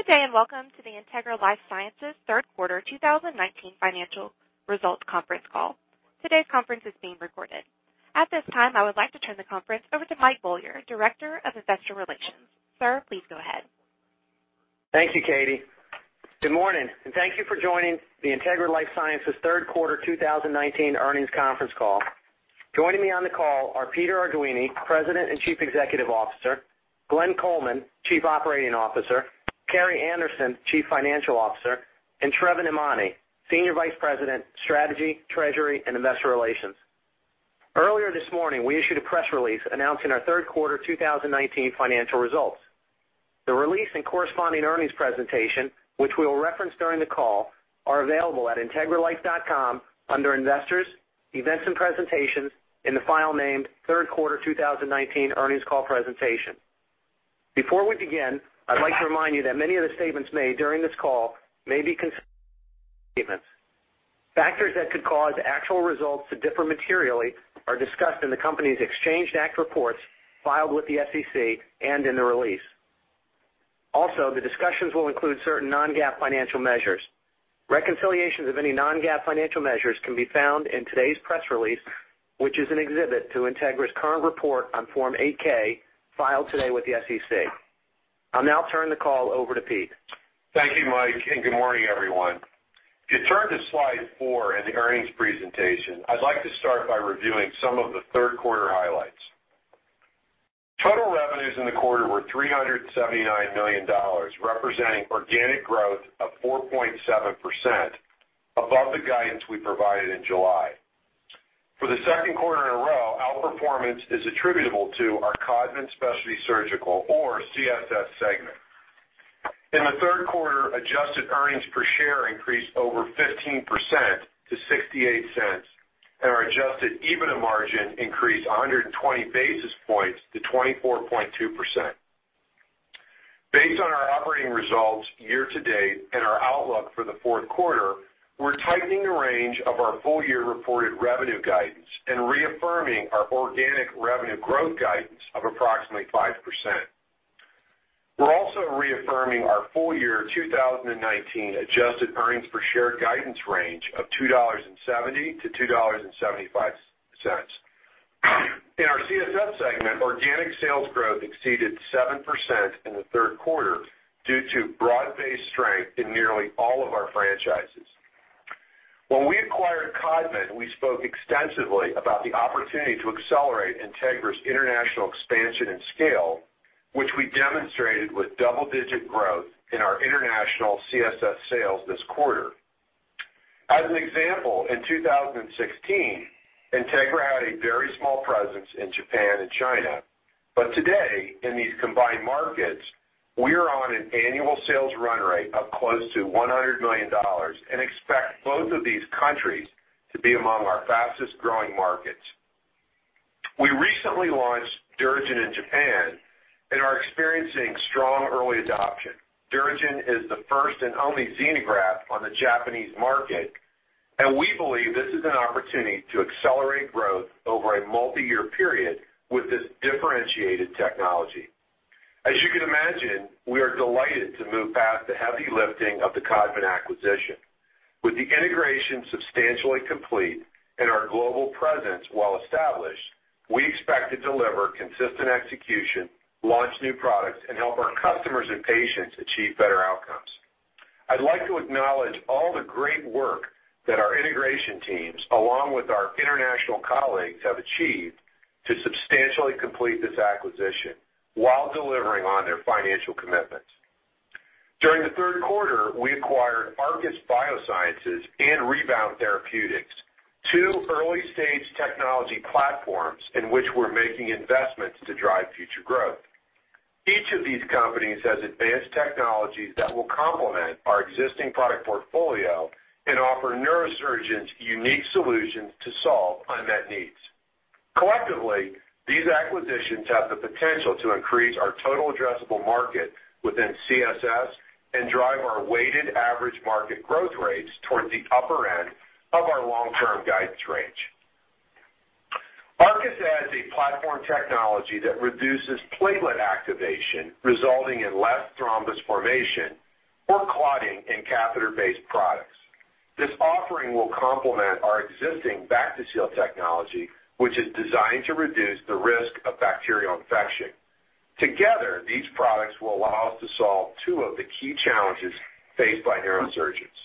Good day and welcome to the Integra LifeSciences Third Quarter 2019 Financial Results Conference Call. Today's conference is being recorded. At this time, I would like to turn the conference over to Mike Beaulieu, Director of Investor Relations. Sir, please go ahead. Thank you, Katie. Good morning, and thank you for joining the Integra LifeSciences Third Quarter 2019 Earnings Conference Call. Joining me on the call are Peter Arduini, President and Chief Executive Officer, Glenn Coleman, Chief Operating Officer, Carrie Anderson, Chief Financial Officer, and Sravan Emany, Senior Vice President, Strategy, Treasury, and Investor Relations. Earlier this morning, we issued a press release announcing our Third Quarter 2019 Financial Results. The release and corresponding earnings presentation, which we will reference during the call, are available at integralife.com under Investors, Events and Presentations, in the file named Third Quarter 2019 Earnings Call Presentation. Before we begin, I'd like to remind you that many of the statements made during this call may be considered forward-looking statements. Factors that could cause actual results to differ materially are discussed in the company's Exchange Act reports filed with the SEC and in the release. Also, the discussions will include certain non-GAAP financial measures. Reconciliations of any non-GAAP financial measures can be found in today's press release, which is an exhibit to Integra's current report on Form 8-K filed today with the SEC. I'll now turn the call over to Pete. Thank you, Mike, and good morning, everyone. To turn to Slide 4 in the earnings presentation, I'd like to start by reviewing some of the third quarter highlights. Total revenues in the quarter were $379 million, representing organic growth of 4.7%, above the guidance we provided in July. For the second quarter in a row, our performance is attributable to our Codman Specialty Surgical, or CSS, segment. In the third quarter, adjusted earnings per share increased over 15% to $0.68, and our adjusted EBITDA margin increased 120 basis points to 24.2%. Based on our operating results year to date and our outlook for the fourth quarter, we're tightening the range of our full-year reported revenue guidance and reaffirming our organic revenue growth guidance of approximately 5%. We're also reaffirming our full-year 2019 adjusted earnings per share guidance range of $2.70-$2.75. In our CSS segment, organic sales growth exceeded 7% in the third quarter due to broad-based strength in nearly all of our franchises. When we acquired Codman, we spoke extensively about the opportunity to accelerate Integra's international expansion and scale, which we demonstrated with double-digit growth in our international CSS sales this quarter. As an example, in 2016, Integra had a very small presence in Japan and China, but today, in these combined markets, we are on an annual sales run rate of close to $100 million and expect both of these countries to be among our fastest-growing markets. We recently launched DuraGen in Japan and are experiencing strong early adoption. DuraGen is the first and only xenograft on the Japanese market, and we believe this is an opportunity to accelerate growth over a multi-year period with this differentiated technology. As you can imagine, we are delighted to move past the heavy lifting of the Codman acquisition. With the integration substantially complete and our global presence well established, we expect to deliver consistent execution, launch new products, and help our customers and patients achieve better outcomes. I'd like to acknowledge all the great work that our integration teams, along with our international colleagues, have achieved to substantially complete this acquisition while delivering on their financial commitments. During the third quarter, we acquired Arkis Biosciences and Rebound Therapeutics, two early-stage technology platforms in which we're making investments to drive future growth. Each of these companies has advanced technologies that will complement our existing product portfolio and offer neurosurgeons unique solutions to solve unmet needs. Collectively, these acquisitions have the potential to increase our total addressable market within CSS and drive our weighted average market growth rates toward the upper end of our long-term guidance range. Arkis adds a platform technology that reduces platelet activation, resulting in less thrombus formation or clotting in catheter-based products. This offering will complement our existing Bactiseal technology, which is designed to reduce the risk of bacterial infection. Together, these products will allow us to solve two of the key challenges faced by neurosurgeons.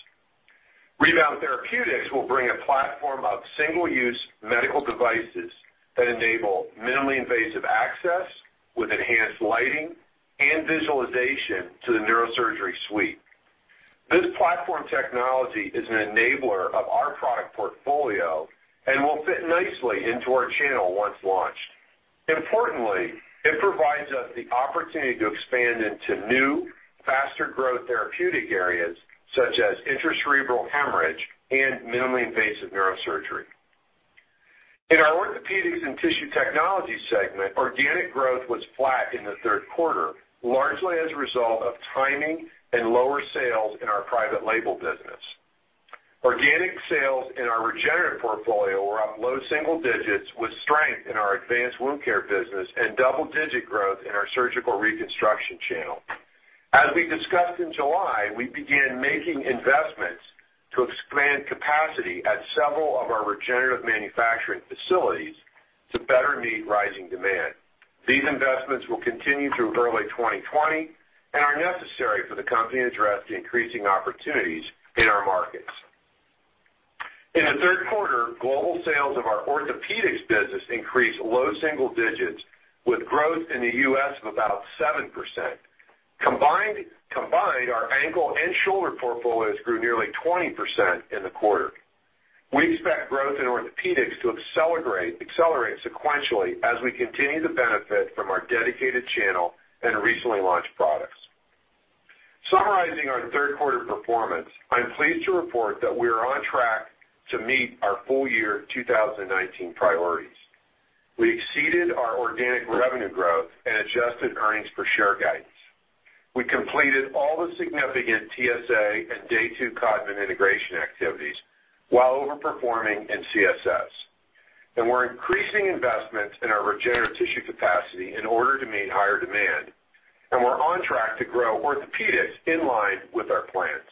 Rebound Therapeutics will bring a platform of single-use medical devices that enable minimally invasive access with enhanced lighting and visualization to the neurosurgery suite. This platform technology is an enabler of our product portfolio and will fit nicely into our channel once launched. Importantly, it provides us the opportunity to expand into new, faster-growth therapeutic areas such as intracerebral hemorrhage and minimally invasive neurosurgery. In our orthopedics and tissue technology segment, organic growth was flat in the third quarter, largely as a result of timing and lower sales in our private label business. Organic sales in our regenerative portfolio were up low single digits, with strength in our advanced wound care business and double-digit growth in our surgical reconstruction channel. As we discussed in July, we began making investments to expand capacity at several of our regenerative manufacturing facilities to better meet rising demand. These investments will continue through early 2020 and are necessary for the company to address the increasing opportunities in our markets. In the third quarter, global sales of our orthopedics business increased low single digits, with growth in the U.S. of about 7%. Combined, our ankle and shoulder portfolios grew nearly 20% in the quarter. We expect growth in orthopedics to accelerate sequentially as we continue to benefit from our dedicated channel and recently launched products. Summarizing our third quarter performance, I'm pleased to report that we are on track to meet our full-year 2019 priorities. We exceeded our organic revenue growth and adjusted earnings per share guidance. We completed all the significant TSA and day-two Codman integration activities while overperforming in CSS. And we're increasing investments in our regenerative tissue capacity in order to meet higher demand, and we're on track to grow orthopedics in line with our plans.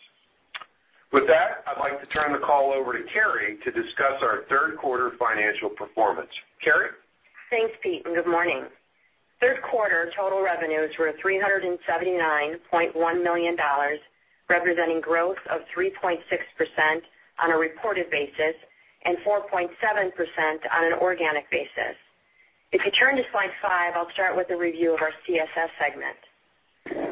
With that, I'd like to turn the call over to Carrie to discuss our third quarter financial performance. Carrie? Thanks, Pete, and good morning. Third quarter total revenues were $379.1 million, representing growth of 3.6% on a reported basis and 4.7% on an organic basis. If you turn to Slide 5, I'll start with a review of our CSS segment.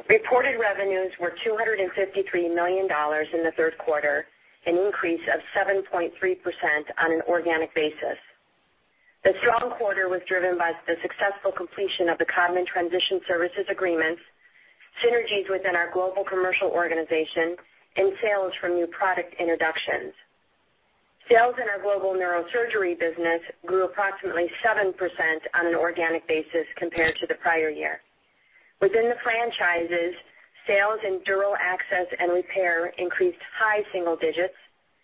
Reported revenues were $253 million in the third quarter, an increase of 7.3% on an organic basis. The strong quarter was driven by the successful completion of the Codman Transition Services Agreements, synergies within our global commercial organization, and sales from new product introductions. Sales in our global neurosurgery business grew approximately 7% on an organic basis compared to the prior year. Within the franchises, sales in dural access and repair increased high single digits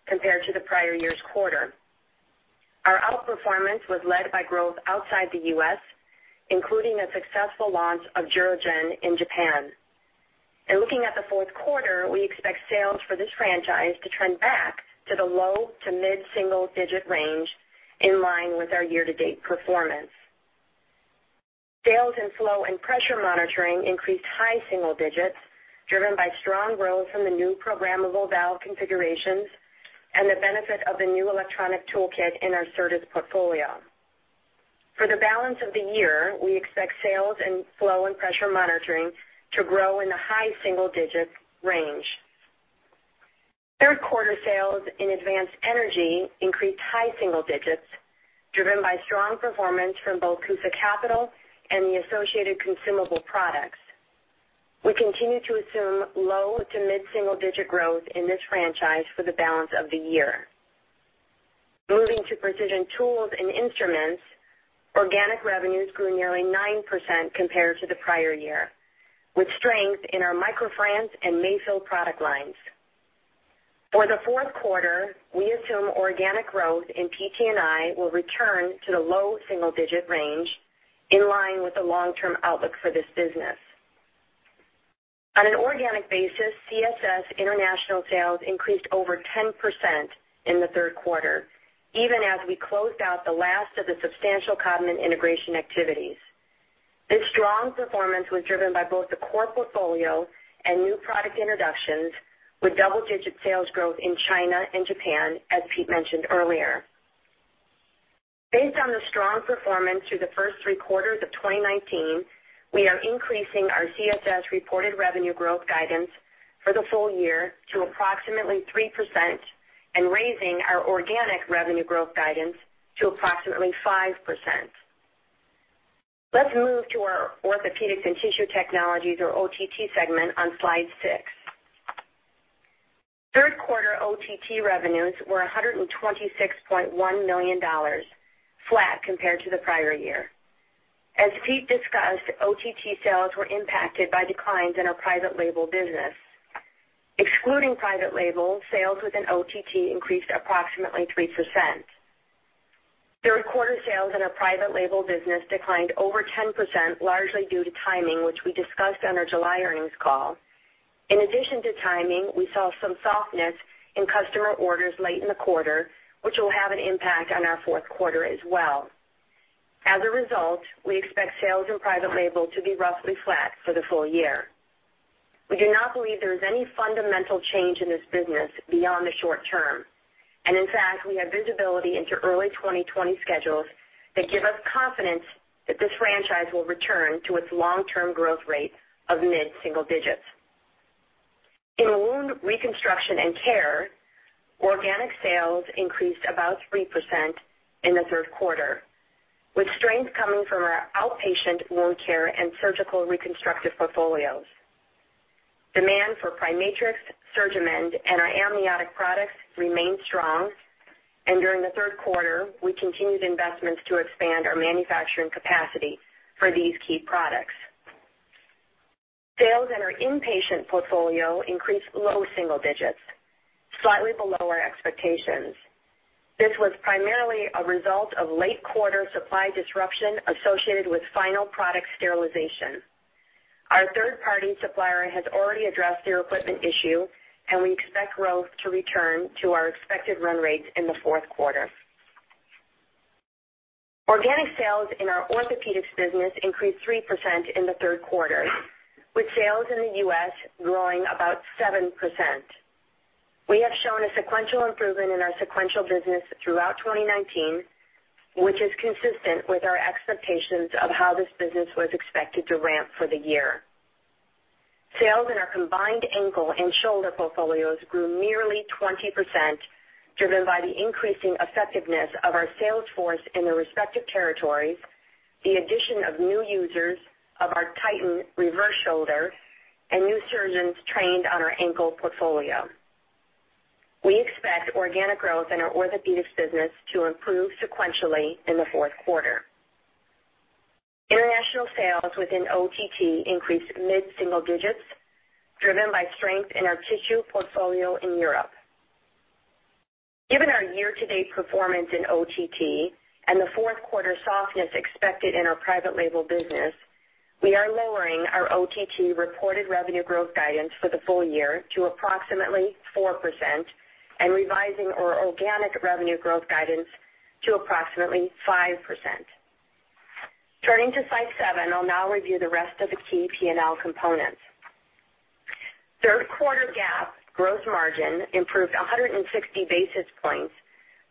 compared to the prior year's quarter. Our outperformance was led by growth outside the U.S., including a successful launch of DuraGen in Japan. Looking at the fourth quarter, we expect sales for this franchise to trend back to the low- to mid-single-digit range in line with our year-to-date performance. Sales in flow and pressure monitoring increased high-single-digits, driven by strong growth from the new programmable valve configurations and the benefit of the new electronic toolkit in our service portfolio. For the balance of the year, we expect sales in flow and pressure monitoring to grow in the high-single-digit range. Third quarter sales in advanced energy increased high-single-digits, driven by strong performance from both CUSA Clarity and the associated consumable products. We continue to assume low- to mid-single-digit growth in this franchise for the balance of the year. Moving to precision tools and instruments, organic revenues grew nearly 9% compared to the prior year, with strength in our MicroFrance and Mayfield product lines. For the fourth quarter, we assume organic growth in PT&I will return to the low single digit range in line with the long-term outlook for this business. On an organic basis, CSS international sales increased over 10% in the third quarter, even as we closed out the last of the substantial Codman integration activities. This strong performance was driven by both the core portfolio and new product introductions, with double-digit sales growth in China and Japan, as Pete mentioned earlier. Based on the strong performance through the first three quarters of 2019, we are increasing our CSS reported revenue growth guidance for the full year to approximately 3% and raising our organic revenue growth guidance to approximately 5%. Let's move to our orthopedics and tissue technologies, or OTT, segment on Slide 6. Third quarter OTT revenues were $126.1 million, flat compared to the prior year. As Pete discussed, OTT sales were impacted by declines in our private label business. Excluding private label, sales within OTT increased approximately 3%. Third quarter sales in our private label business declined over 10%, largely due to timing, which we discussed on our July earnings call. In addition to timing, we saw some softness in customer orders late in the quarter, which will have an impact on our fourth quarter as well. As a result, we expect sales in private label to be roughly flat for the full year. We do not believe there is any fundamental change in this business beyond the short term, and in fact, we have visibility into early 2020 schedules that give us confidence that this franchise will return to its long-term growth rate of mid-single digits. In wound reconstruction and care, organic sales increased about 3% in the third quarter, with strength coming from our outpatient wound care and surgical reconstructive portfolios. Demand for PriMatrix, SurgiMend, and our amniotic products remained strong, and during the third quarter, we continued investments to expand our manufacturing capacity for these key products. Sales in our inpatient portfolio increased low single digits, slightly below our expectations. This was primarily a result of late quarter supply disruption associated with final product sterilization. Our third-party supplier has already addressed their equipment issue, and we expect growth to return to our expected run rates in the fourth quarter. Organic sales in our orthopedics business increased 3% in the third quarter, with sales in the U.S. growing about 7%. We have shown a sequential improvement in our sequential business throughout 2019, which is consistent with our expectations of how this business was expected to ramp for the year. Sales in our combined ankle and shoulder portfolios grew nearly 20%, driven by the increasing effectiveness of our sales force in their respective territories, the addition of new users of our Titan reverse shoulder, and new surgeons trained on our ankle portfolio. We expect organic growth in our orthopedics business to improve sequentially in the fourth quarter. International sales within OTT increased mid-single digits, driven by strength in our tissue portfolio in Europe. Given our year-to-date performance in OTT and the fourth quarter softness expected in our private label business, we are lowering our OTT reported revenue growth guidance for the full year to approximately 4% and revising our organic revenue growth guidance to approximately 5%. Turning to Slide 7, I'll now review the rest of the key P&L components. Third quarter GAAP gross margin improved 160 basis points,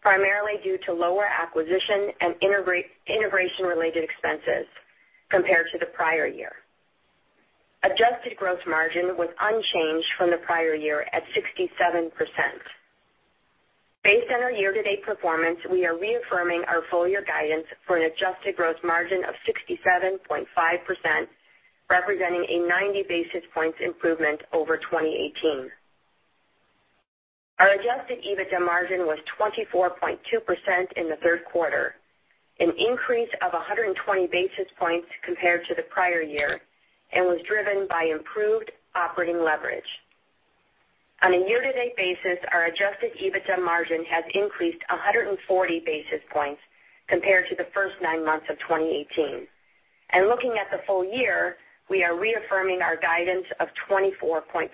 primarily due to lower acquisition and integration-related expenses compared to the prior year. Adjusted gross margin was unchanged from the prior year at 67%. Based on our year-to-date performance, we are reaffirming our full-year guidance for an adjusted gross margin of 67.5%, representing a 90 basis points improvement over 2018. Our adjusted EBITDA margin was 24.2% in the third quarter, an increase of 120 basis points compared to the prior year, and was driven by improved operating leverage. On a year-to-date basis, our adjusted EBITDA margin has increased 140 basis points compared to the first nine months of 2018. Looking at the full year, we are reaffirming our guidance of 24.5%,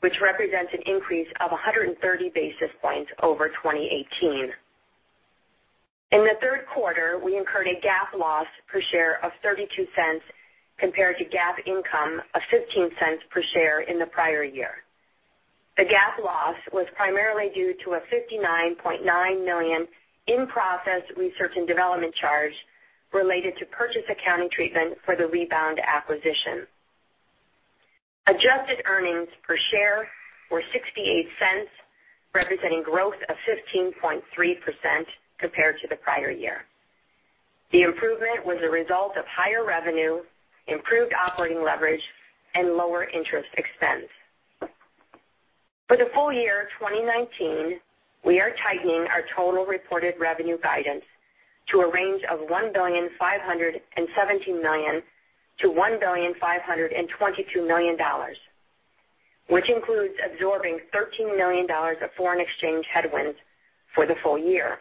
which represents an increase of 130 basis points over 2018. In the third quarter, we incurred a GAAP loss per share of $0.32 compared to GAAP income of $0.15 per share in the prior year. The GAAP loss was primarily due to a $59.9 million in-process research and development charge related to purchase accounting treatment for the Rebound acquisition. Adjusted earnings per share were $0.68, representing growth of 15.3% compared to the prior year. The improvement was a result of higher revenue, improved operating leverage, and lower interest expense. For the full year 2019, we are tightening our total reported revenue guidance to a range of $1,517 million-$1,522 million, which includes absorbing $13 million of foreign exchange headwinds for the full year.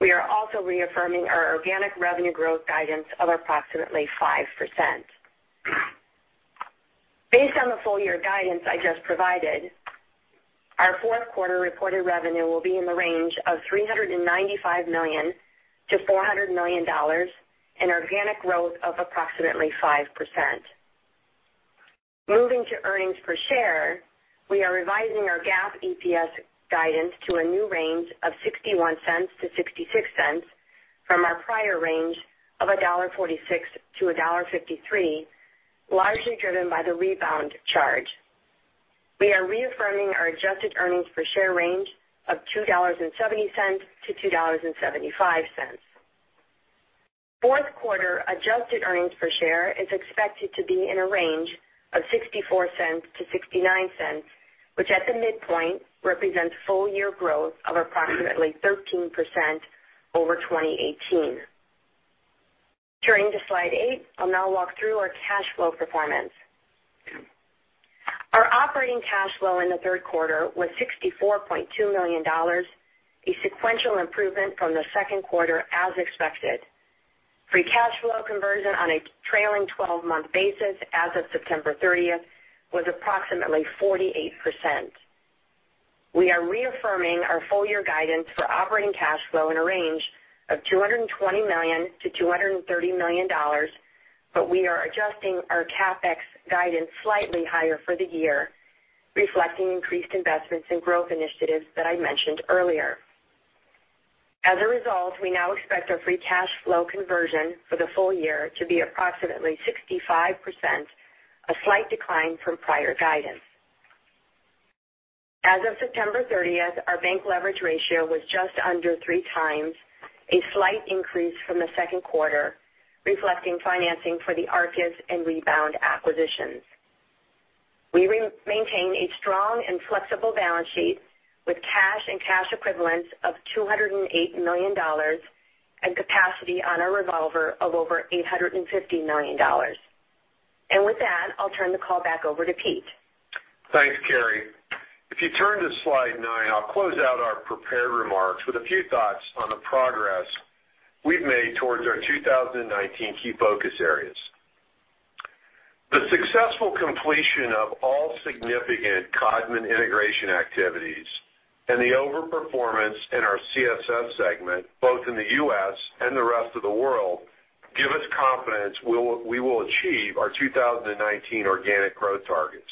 We are also reaffirming our organic revenue growth guidance of approximately 5%. Based on the full-year guidance I just provided, our fourth quarter reported revenue will be in the range of $395 million-$400 million and organic growth of approximately 5%. Moving to earnings per share, we are revising our GAAP EPS guidance to a new range of $0.61-$0.66 from our prior range of $1.46-$1.53, largely driven by the Rebound charge. We are reaffirming our adjusted earnings per share range of $2.70-$2.75. Fourth quarter adjusted earnings per share is expected to be in a range of $0.64-$0.69, which at the midpoint represents full-year growth of approximately 13% over 2018. Turning to Slide 8, I'll now walk through our cash flow performance. Our operating cash flow in the third quarter was $64.2 million, a sequential improvement from the second quarter as expected. Free cash flow conversion on a trailing 12-month basis as of September 30th was approximately 48%. We are reaffirming our full-year guidance for operating cash flow in a range of $220 million-$230 million, but we are adjusting our CapEx guidance slightly higher for the year, reflecting increased investments and growth initiatives that I mentioned earlier. As a result, we now expect our free cash flow conversion for the full year to be approximately 65%, a slight decline from prior guidance. As of September 30th, our bank leverage ratio was just under three times, a slight increase from the second quarter, reflecting financing for the Arkis and Rebound acquisitions. We maintain a strong and flexible balance sheet with cash and cash equivalents of $208 million and capacity on a revolver of over $850 million. And with that, I'll turn the call back over to Pete. Thanks, Carrie. If you turn to Slide 9, I'll close out our prepared remarks with a few thoughts on the progress we've made towards our 2019 key focus areas. The successful completion of all significant Codman integration activities and the overperformance in our CSS segment, both in the U.S. and the rest of the world, give us confidence we will achieve our 2019 organic growth targets.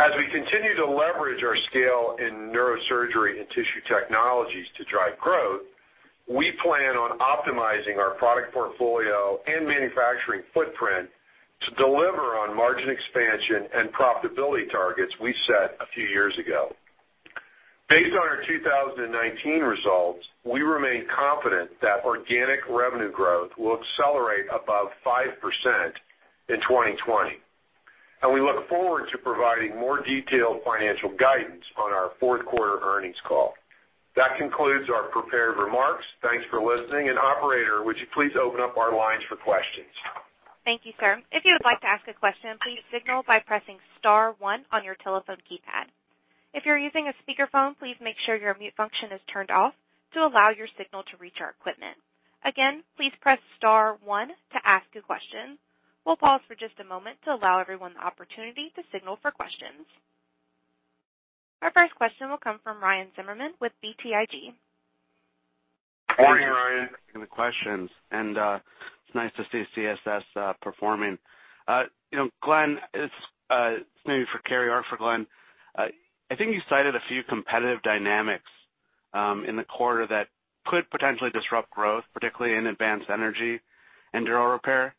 As we continue to leverage our scale in neurosurgery and tissue technologies to drive growth, we plan on optimizing our product portfolio and manufacturing footprint to deliver on margin expansion and profitability targets we set a few years ago. Based on our 2019 results, we remain confident that organic revenue growth will accelerate above 5% in 2020, and we look forward to providing more detailed financial guidance on our fourth quarter earnings call. That concludes our prepared remarks. Thanks for listening. And, Operator, would you please open up our lines for questions? Thank you, sir. If you would like to ask a question, please signal by pressing star one on your telephone keypad. If you're using a speakerphone, please make sure your mute function is turned off to allow your signal to reach our equipment. Again, please press star one to ask a question. We'll pause for just a moment to allow everyone the opportunity to signal for questions. Our first question will come from Ryan Zimmerman with BTIG. Good morning, Ryan. Thank you for the questions. And it's nice to see CSS performing. Glenn, it's maybe for Carrie or for Glenn. I think you cited a few competitive dynamics in the quarter that could potentially disrupt growth, particularly in advanced energy and dural repair.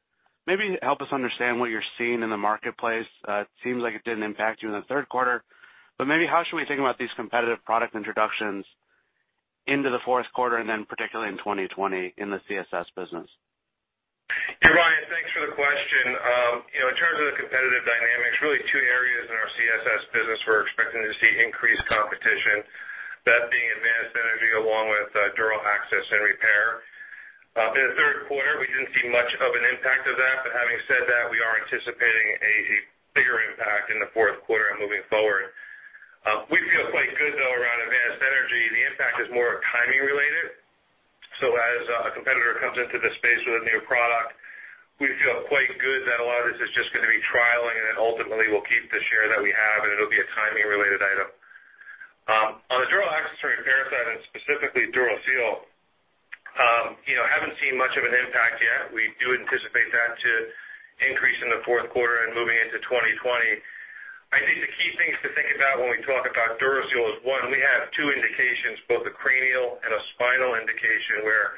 Maybe help us understand what you're seeing in the marketplace. It seems like it didn't impact you in the third quarter. But maybe how should we think about these competitive product introductions into the fourth quarter and then particularly in 2020 in the CSS business? Hey, Ryan. Thanks for the question. In terms of the competitive dynamics, really two areas in our CSS business we're expecting to see increased competition, that being advanced energy along with dural access and repair. In the third quarter, we didn't see much of an impact of that. But having said that, we are anticipating a bigger impact in the fourth quarter and moving forward. We feel quite good, though, around advanced energy. The impact is more timing-related. As a competitor comes into the space with a new product, we feel quite good that a lot of this is just going to be trialing and then ultimately will keep the share that we have, and it'll be a timing-related item. On the dura access and repair side, and specifically DuraSeal, haven't seen much of an impact yet. We do anticipate that to increase in the fourth quarter and moving into 2020. I think the key things to think about when we talk about DuraSeal is, one, we have two indications, both a cranial and a spinal indication, where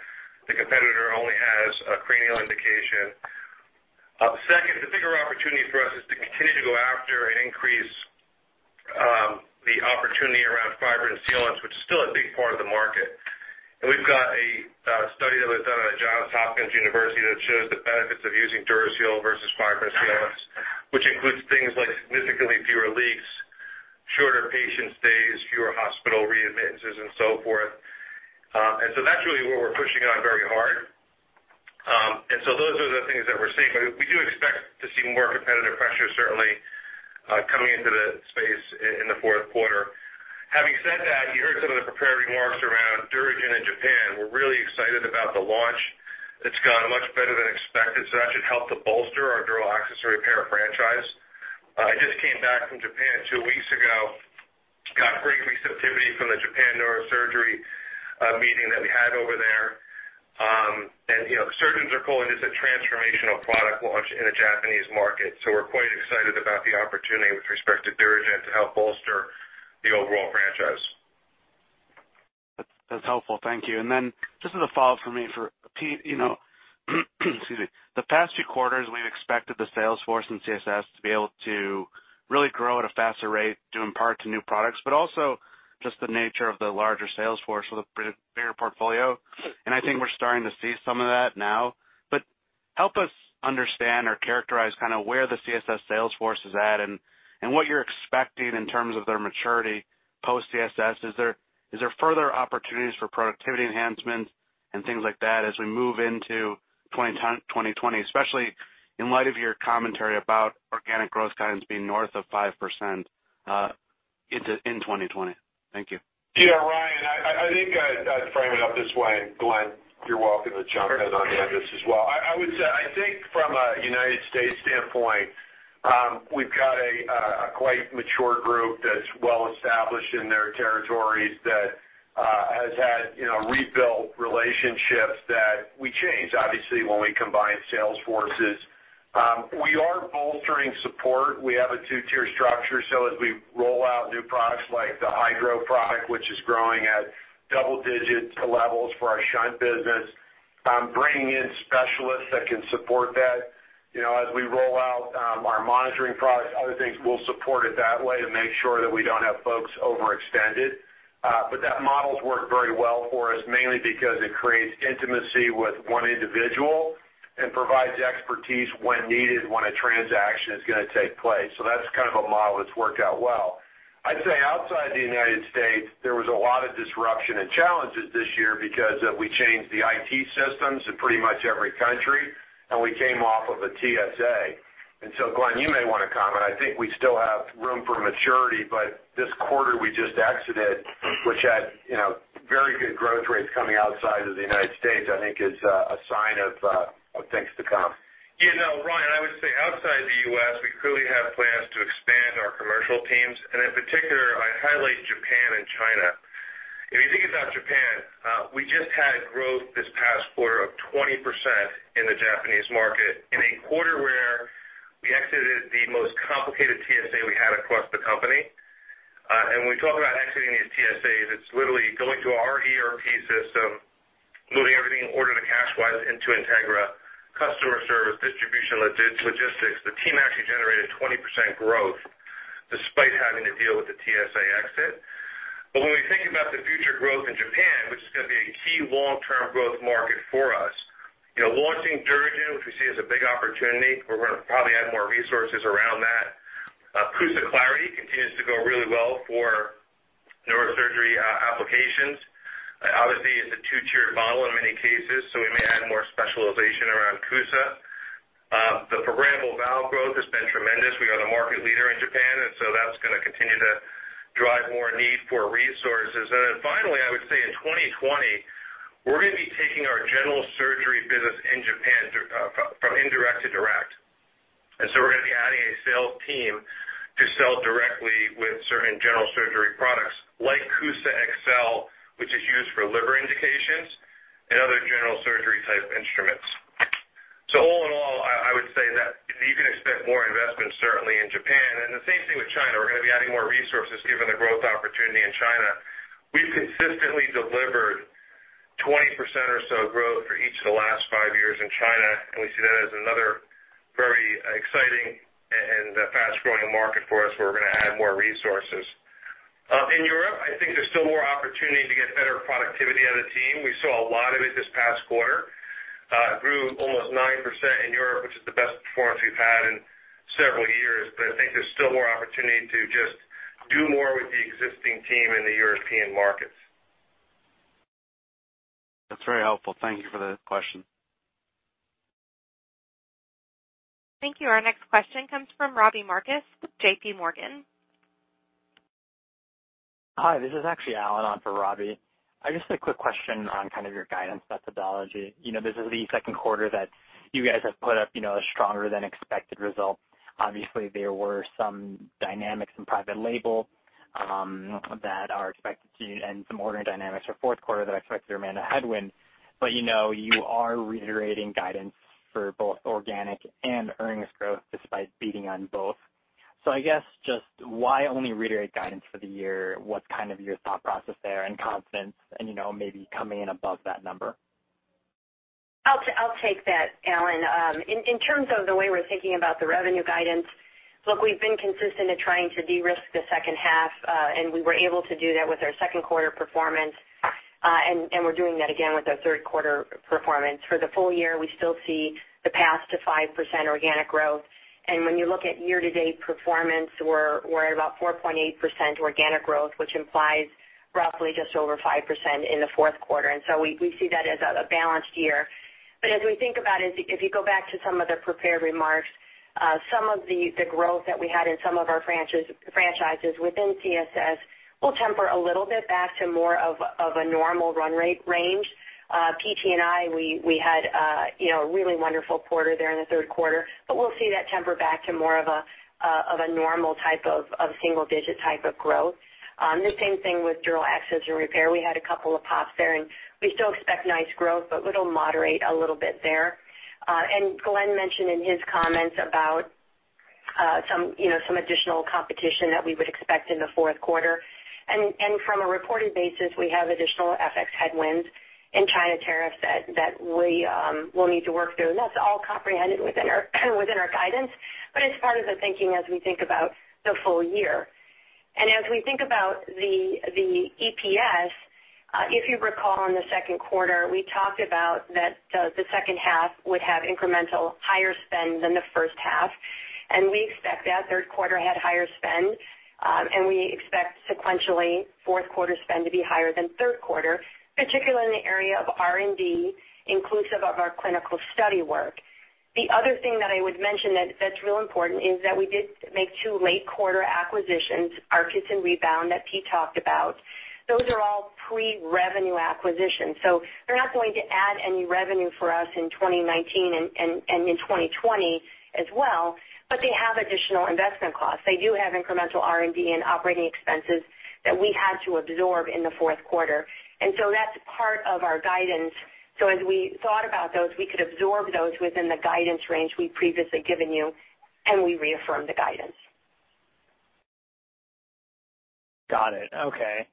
the competitor only has a cranial indication. Second, the bigger opportunity for us is to continue to go after and increase the opportunity around fibrin sealants, which is still a big part of the market. We've got a study that was done at Johns Hopkins University that shows the benefits of using DuraSeal versus fibrin sealants, which includes things like significantly fewer leaks, shorter patient stays, fewer hospital readmittances, and so forth. So that's really what we're pushing on very hard. Those are the things that we're seeing. We do expect to see more competitive pressure, certainly, coming into the space in the fourth quarter. Having said that, you heard some of the prepared remarks around DuraGen in Japan. We're really excited about the launch. It's gone much better than expected, so that should help to bolster our dural access and repair franchise. I just came back from Japan two weeks ago and got great receptivity from the Japan neurosurgery meeting that we had over there. Surgeons are calling this a transformational product launch in the Japanese market. We're quite excited about the opportunity with respect to DuraGen to help bolster the overall franchise. That's helpful. Thank you. And then just as a follow-up from me for Pete, excuse me. The past few quarters, we've expected the sales force and CSS to be able to really grow at a faster rate, due in part to new products, but also just the nature of the larger sales force with a bigger portfolio. And I think we're starting to see some of that now. But help us understand or characterize kind of where the CSS sales force is at and what you're expecting in terms of their maturity post-CSS. Is there further opportunities for productivity enhancements and things like that as we move into 2020, especially in light of your commentary about organic growth guidance being north of 5% in 2020? Thank you. Yeah, Ryan, I think I'd frame it up this way. Glenn, you're welcome to jump in on this as well. I would say, I think from a United States standpoint, we've got a quite mature group that's well established in their territories that has had rebuilt relationships that we change, obviously, when we combine sales forces. We are bolstering support. We have a two-tier structure. So as we roll out new products like the Hydro product, which is growing at double-digit levels for our shunt business, bringing in specialists that can support that as we roll out our monitoring products, other things, we'll support it that way to make sure that we don't have folks overextended. But that model's worked very well for us, mainly because it creates intimacy with one individual and provides expertise when needed when a transaction is going to take place. So that's kind of a model that's worked out well. I'd say outside the United States, there was a lot of disruption and challenges this year because we changed the IT systems in pretty much every country, and we came off of a TSA. And so, Glenn, you may want to comment. I think we still have room for maturity, but this quarter we just exited, which had very good growth rates coming outside of the United States, I think is a sign of things to come. Yeah, no, Ryan, I would say outside the U.S., we clearly have plans to expand our commercial teams. And in particular, I'd highlight Japan and China. If you think about Japan, we just had growth this past quarter of 20% in the Japanese market in a quarter where we exited the most complicated TSA we had across the company. And when we talk about exiting these TSAs, it's literally going to our ERP system, moving everything order to cash wise into Integra, customer service, distribution, logistics. The team actually generated 20% growth despite having to deal with the TSA exit. But when we think about the future growth in Japan, which is going to be a key long-term growth market for us, launching DuraGen, which we see as a big opportunity, we're going to probably add more resources around that. CUSA Clarity continues to go really well for neurosurgery applications. Obviously, it's a two-tiered model in many cases, so we may add more specialization around CUSA. The programmable valve growth has been tremendous. We are the market leader in Japan, and so that's going to continue to drive more need for resources. And then finally, I would say in 2020, we're going to be taking our general surgery business in Japan from indirect to direct. And so we're going to be adding a sales team to sell directly with certain general surgery products like CUSA Excel, which is used for liver indications and other general surgery-type instruments. So all in all, I would say that you can expect more investment, certainly, in Japan. And the same thing with China. We're going to be adding more resources given the growth opportunity in China. We've consistently delivered 20% or so growth for each of the last five years in China, and we see that as another very exciting and fast-growing market for us where we're going to add more resources. In Europe, I think there's still more opportunity to get better productivity out of the team. We saw a lot of it this past quarter. It grew almost 9% in Europe, which is the best performance we've had in several years. But I think there's still more opportunity to just do more with the existing team in the European markets. That's very helpful. Thank you for the question. Thank you. Our next question comes from Robbie Marcus with JPMorgan. Hi, this is actually Alan. I'm for Robbie. I just had a quick question on kind of your guidance methodology. This is the second quarter that you guys have put up a stronger-than-expected result. Obviously, there were some dynamics in private label that are expected to, and some ordering dynamics for fourth quarter that I expected to remain a headwind. But you are reiterating guidance for both organic and earnings growth despite beating on both. So I guess just why only reiterate guidance for the year? What's kind of your thought process there and confidence in maybe coming in above that number? I'll take that, Alan. In terms of the way we're thinking about the revenue guidance, look, we've been consistent in trying to de-risk the second half, and we were able to do that with our second quarter performance. And we're doing that again with our third quarter performance. For the full year, we still see the path to 5% organic growth. And when you look at year-to-date performance, we're at about 4.8% organic growth, which implies roughly just over 5% in the fourth quarter. And so we see that as a balanced year. But as we think about it, if you go back to some of the prepared remarks, some of the growth that we had in some of our franchises within CSS will temper a little bit back to more of a normal run rate range. PT&I, we had a really wonderful quarter there in the third quarter, but we'll see that temper back to more of a normal type of single-digit type of growth. The same thing with dural access and repair. We had a couple of pops there, and we still expect nice growth, but we'll moderate a little bit there. And Glenn mentioned in his comments about some additional competition that we would expect in the fourth quarter. And from a reported basis, we have additional FX headwinds in China tariffs that we will need to work through. And that's all comprehended within our guidance, but it's part of the thinking as we think about the full year. And as we think about the EPS, if you recall in the second quarter, we talked about that the second half would have incremental higher spend than the first half. And we expect that third quarter had higher spend. And we expect sequentially fourth quarter spend to be higher than third quarter, particularly in the area of R&D, inclusive of our clinical study work. The other thing that I would mention that's real important is that we did make two late quarter acquisitions, Arkis and Rebound that Pete talked about. Those are all pre-revenue acquisitions. So they're not going to add any revenue for us in 2019 and in 2020 as well, but they have additional investment costs. They do have incremental R&D and operating expenses that we had to absorb in the fourth quarter, and so that's part of our guidance. So as we thought about those, we could absorb those within the guidance range we've previously given you, and we reaffirm the guidance. Got it. Okay.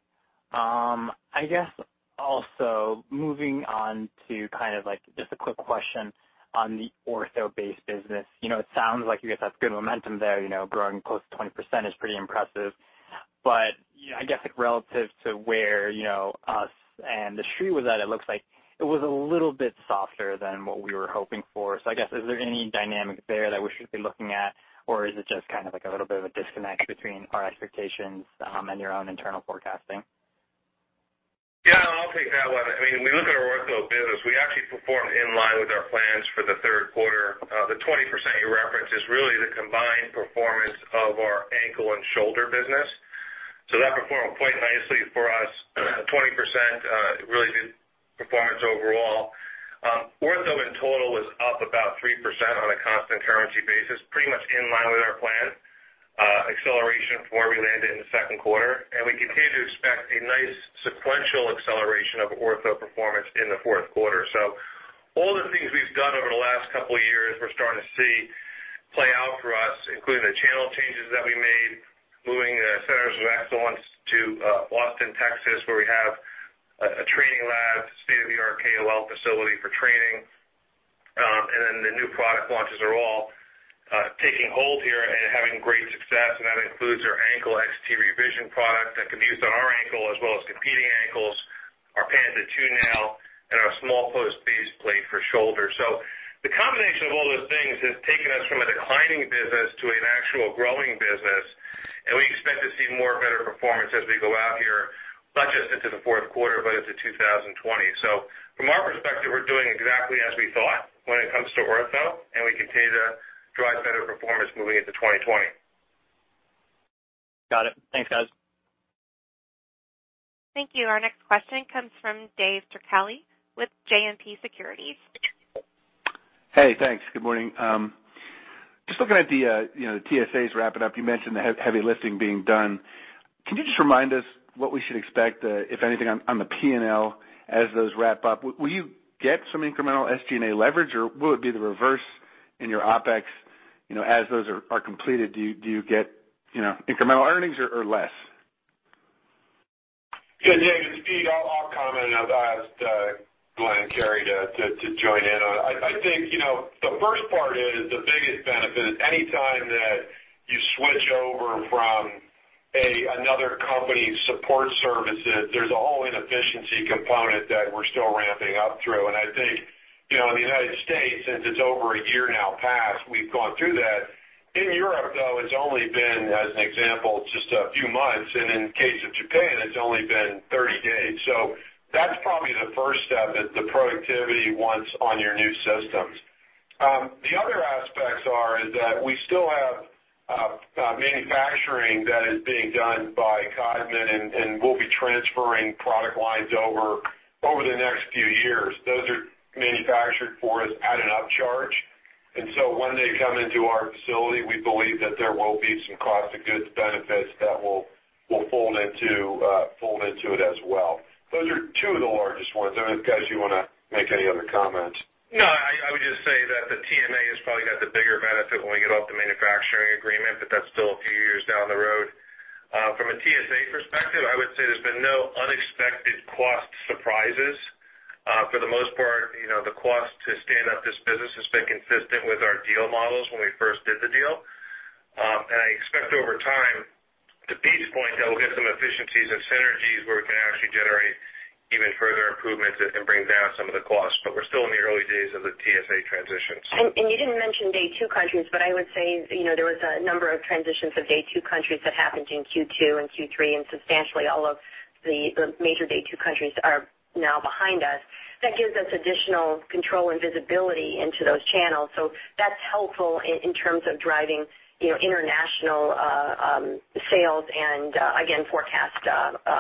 I guess also moving on to kind of just a quick question on the ortho-based business. It sounds like you guys have good momentum there. Growing close to 20% is pretty impressive. But I guess relative to where us and the street was at, it looks like it was a little bit softer than what we were hoping for. So I guess, is there any dynamic there that we should be looking at, or is it just kind of a little bit of a disconnect between our expectations and your own internal forecasting? Yeah, I'll take that one. I mean, when we look at our ortho business, we actually performed in line with our plans for the third quarter. The 20% you referenced is really the combined performance of our ankle and shoulder business. So that performed quite nicely for us. 20% really did performance overall. Ortho in total was up about 3% on a constant currency basis, pretty much in line with our plan, acceleration for where we landed in the second quarter. And we continue to expect a nice sequential acceleration of ortho performance in the fourth quarter. So all the things we've done over the last couple of years, we're starting to see play out for us, including the channel changes that we made, moving the centers of excellence to Boston, Texas, where we have a training lab, state-of-the-art KOL facility for training. And then the new product launches are all taking hold here and having great success. That includes our XT Revision ankle product that can be used on our ankle as well as competing ankles, our Panta II nail, and our small post base plate for shoulder. The combination of all those things has taken us from a declining business to an actual growing business. We expect to see more better performance as we go out here, not just into the fourth quarter, but into 2020. From our perspective, we're doing exactly as we thought when it comes to ortho. We continue to drive better performance moving into 2020. Got it. Thanks, guys. Thank you. Our next question comes from David Turkaly with JMP Securities. Hey, thanks. Good morning. Just looking at the TSAs wrapping up, you mentioned the heavy lifting being done. Can you just remind us what we should expect, if anything, on the P&L as those wrap up? Will you get some incremental SG&A leverage, or will it be the reverse in your OpEx as those are completed? Do you get incremental earnings or less? Yeah, Dave, it's Pete. I'll comment on that as Glenn and Carrie to join in on. I think the first part is the biggest benefit is anytime that you switch over from another company's support services, there's a whole inefficiency component that we're still ramping up through. And I think in the United States, since it's over a year now past, we've gone through that. In Europe, though, it's only been, as an example, just a few months. And in the case of Japan, it's only been 30 days. So that's probably the first step is the productivity once on your new systems. The other aspects are that we still have manufacturing that is being done by Codman and will be transferring product lines over the next few years. Those are manufactured for us at an upcharge, and so when they come into our facility, we believe that there will be some cost of goods benefits that will fold into it as well. Those are two of the largest ones. I don't know if, guys, you want to make any other comments. No, I would just say that the TMA has probably got the bigger benefit when we get off the manufacturing agreement, but that's still a few years down the road. From a TSA perspective, I would say there's been no unexpected cost surprises. For the most part, the cost to stand up this business has been consistent with our deal models when we first did the deal. And I expect over time, to Pete's point, that we'll get some efficiencies and synergies where we can actually generate even further improvements and bring down some of the costs. But we're still in the early days of the TSA transition. And you didn't mention day two countries, but I would say there was a number of transitions of day two countries that happened in Q2 and Q3, and substantially all of the major day two countries are now behind us. That gives us additional control and visibility into those channels. So that's helpful in terms of driving international sales and, again, forecast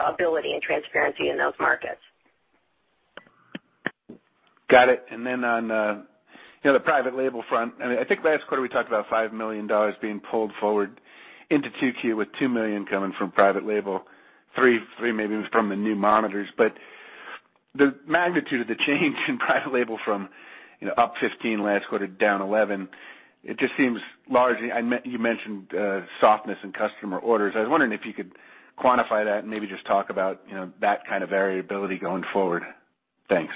ability and transparency in those markets. Got it. And then on the private label front, I think last quarter we talked about $5 million being pulled forward into Q2 with $2 million coming from private label, $3 million maybe from the new monitors. But the magnitude of the change in private label from up 15% last quarter to down 11%, it just seems largely you mentioned softness in customer orders. I was wondering if you could quantify that and maybe just talk about that kind of variability going forward. Thanks.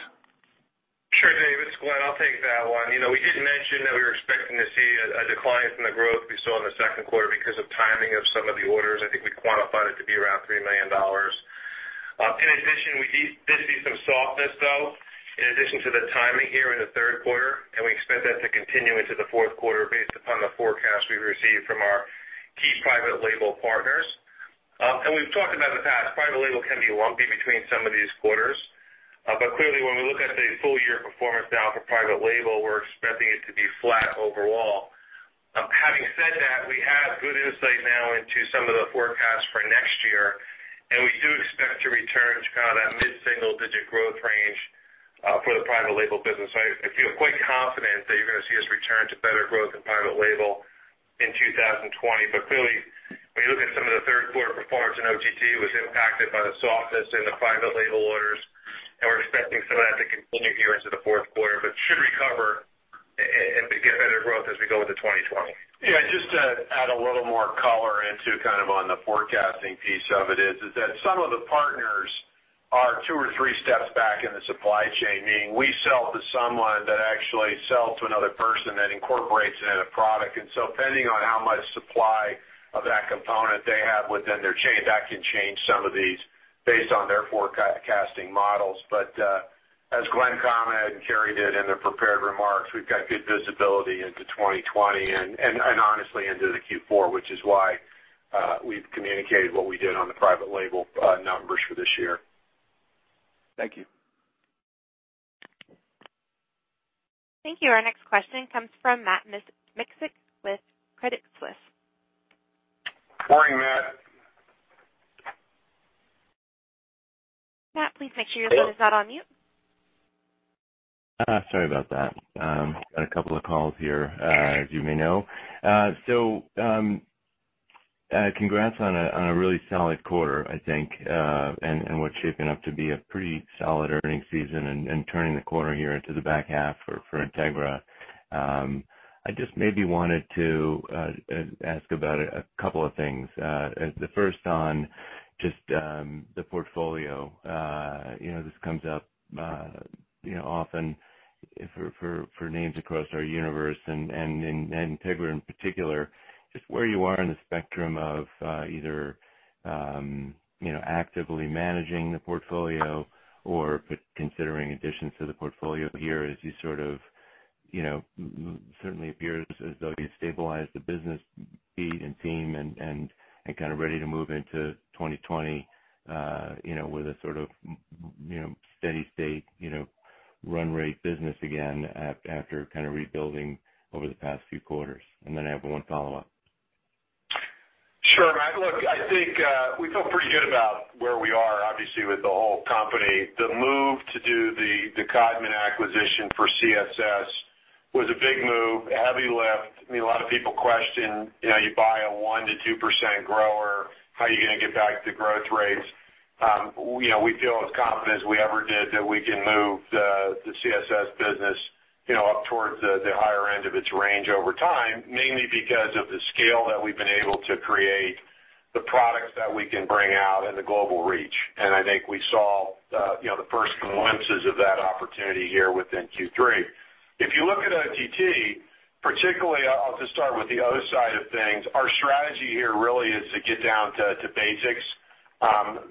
Sure, Dave. It's Glenn. I'll take that one. We did mention that we were expecting to see a decline from the growth we saw in the second quarter because of timing of some of the orders. I think we quantified it to be around $3 million. In addition, we did see some softness, though, in addition to the timing here in the third quarter. And we expect that to continue into the fourth quarter based upon the forecast we've received from our key private label partners. And we've talked about in the past, private label can be lumpy between some of these quarters. But clearly, when we look at the full year performance now for private label, we're expecting it to be flat overall. Having said that, we have good insight now into some of the forecasts for next year. And we do expect to return to kind of that mid-single-digit growth range for the private label business. I feel quite confident that you're going to see us return to better growth in private label in 2020. But clearly, when you look at some of the third quarter performance in OTT, it was impacted by the softness in the private label orders. And we're expecting some of that to continue here into the fourth quarter, but should recover and get better growth as we go into 2020. Yeah. Just to add a little more color into kind of on the forecasting piece of it is that some of the partners are two or three steps back in the supply chain, meaning we sell to someone that actually sells to another person that incorporates it in a product. And so depending on how much supply of that component they have within their chain, that can change some of these based on their forecasting models. But as Glenn commented and Carrie did in the prepared remarks, we've got good visibility into 2020 and honestly into the Q4, which is why we've communicated what we did on the private label numbers for this year. Thank you. Thank you. Our next question comes from Matt Miksic with Credit Suisse. Morning, Matt. Matt, please make sure your phone is not on mute. Sorry about that. Got a couple of calls here, as you may know. So congrats on a really solid quarter, I think, and what's shaping up to be a pretty solid earnings season and turning the quarter here into the back half for Integra. I just maybe wanted to ask about a couple of things. The first on just the portfolio. This comes up often for names across our universe and Integra in particular. Just where you are on the spectrum of either actively managing the portfolio or considering additions to the portfolio here as you sort of certainly appear as though you've stabilized the business, Pete and team, and kind of ready to move into 2020 with a sort of steady-state run rate business again after kind of rebuilding over the past few quarters. And then I have one follow-up. Sure. Look, I think we feel pretty good about where we are, obviously, with the whole company. The move to do the Codman acquisition for CSS was a big move, heavy lift. I mean, a lot of people question you buy a 1%-2% grower, how are you going to get back the growth rates? We feel as confident as we ever did that we can move the CSS business up towards the higher end of its range over time, mainly because of the scale that we've been able to create, the products that we can bring out, and the global reach, and I think we saw the first glimpses of that opportunity here within Q3. If you look at OTT, particularly, I'll just start with the other side of things. Our strategy here really is to get down to basics.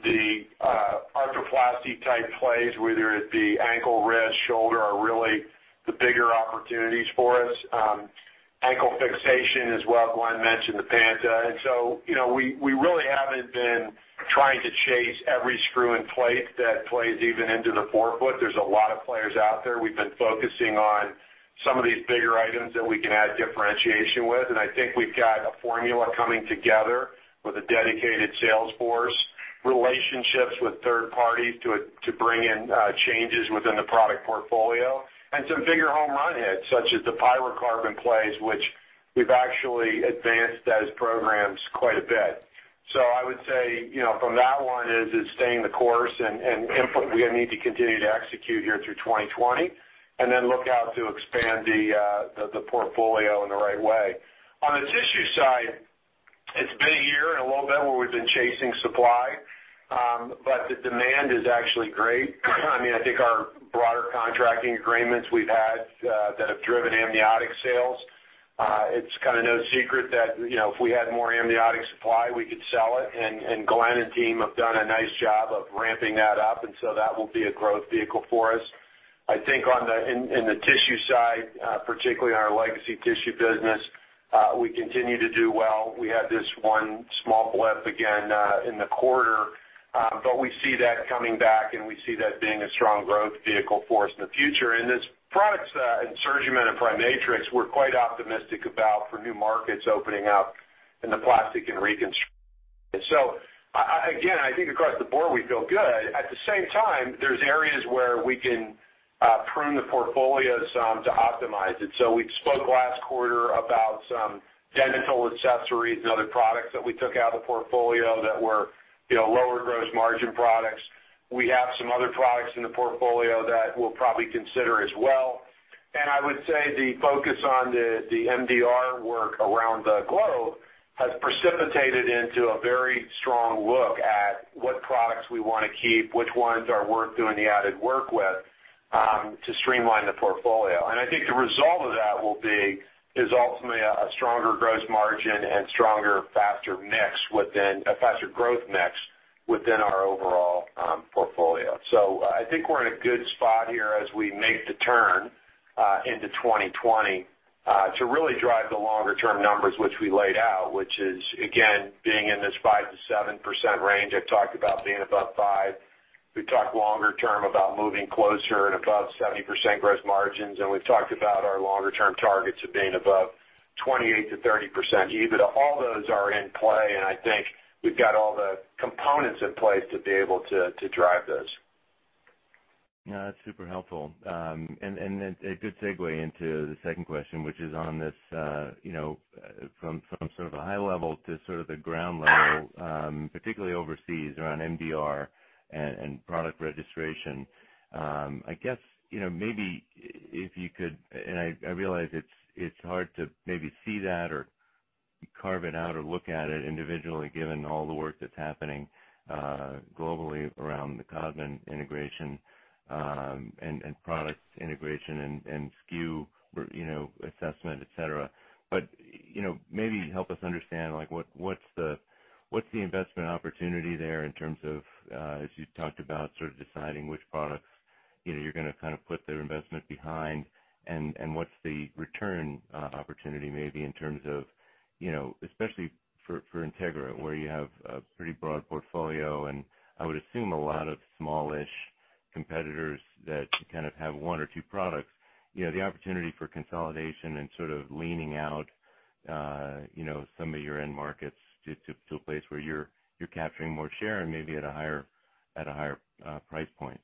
The arthroplasty-type plays, whether it be ankle, wrist, shoulder, are really the bigger opportunities for us. Ankle fixation as well. Glenn mentioned the Panta. And so we really haven't been trying to chase every screw and plate that plays even into the forefoot. There's a lot of players out there. We've been focusing on some of these bigger items that we can add differentiation with. And I think we've got a formula coming together with a dedicated salesforce, relationships with third parties to bring in changes within the product portfolio, and some bigger home run hits such as the PyroCarbon plays, which we've actually advanced as programs quite a bit. So I would say from that one is staying the course and we need to continue to execute here through 2020 and then look out to expand the portfolio in the right way. On the tissue side, it's been a year and a little bit where we've been chasing supply, but the demand is actually great. I mean, I think our broader contracting agreements we've had that have driven amniotic sales, it's kind of no secret that if we had more amniotic supply, we could sell it. And Glenn and team have done a nice job of ramping that up. And so that will be a growth vehicle for us. I think on the tissue side, particularly in our legacy tissue business, we continue to do well. We had this one small blip again in the quarter, but we see that coming back, and we see that being a strong growth vehicle for us in the future. And these products, SurgiMend and PriMatrix, we're quite optimistic about for new markets opening up in the plastic and reconstruction. So again, I think across the board, we feel good. At the same time, there's areas where we can prune the portfolio some to optimize it. So we spoke last quarter about some dental accessories and other products that we took out of the portfolio that were lower gross margin products. We have some other products in the portfolio that we'll probably consider as well. And I would say the focus on the MDR work around the globe has precipitated into a very strong look at what products we want to keep, which ones are worth doing the added work with to streamline the portfolio. And I think the result of that will be ultimately a stronger gross margin and stronger, faster mix within a faster growth mix within our overall portfolio. I think we're in a good spot here as we make the turn into 2020 to really drive the longer-term numbers, which we laid out, which is, again, being in this 5%-7% range. I've talked about being above 5%. We've talked longer-term about moving closer and above 70% gross margins. And we've talked about our longer-term targets of being above 28%-30%. All those are in play. And I think we've got all the components in place to be able to drive this. That's super helpful. And a good segue into the second question, which is on this from sort of a high level to sort of the ground level, particularly overseas around MDR and product registration. I guess maybe if you could, and I realize it's hard to maybe see that or carve it out or look at it individually, given all the work that's happening globally around the Codman integration and product integration and SKU assessment, etc. But maybe help us understand what's the investment opportunity there in terms of, as you talked about, sort of deciding which products you're going to kind of put their investment behind and what's the return opportunity maybe in terms of, especially for Integra, where you have a pretty broad portfolio and I would assume a lot of smallish competitors that kind of have one or two products, the opportunity for consolidation and sort of leaning out some of your end markets to a place where you're capturing more share and maybe at a higher price point.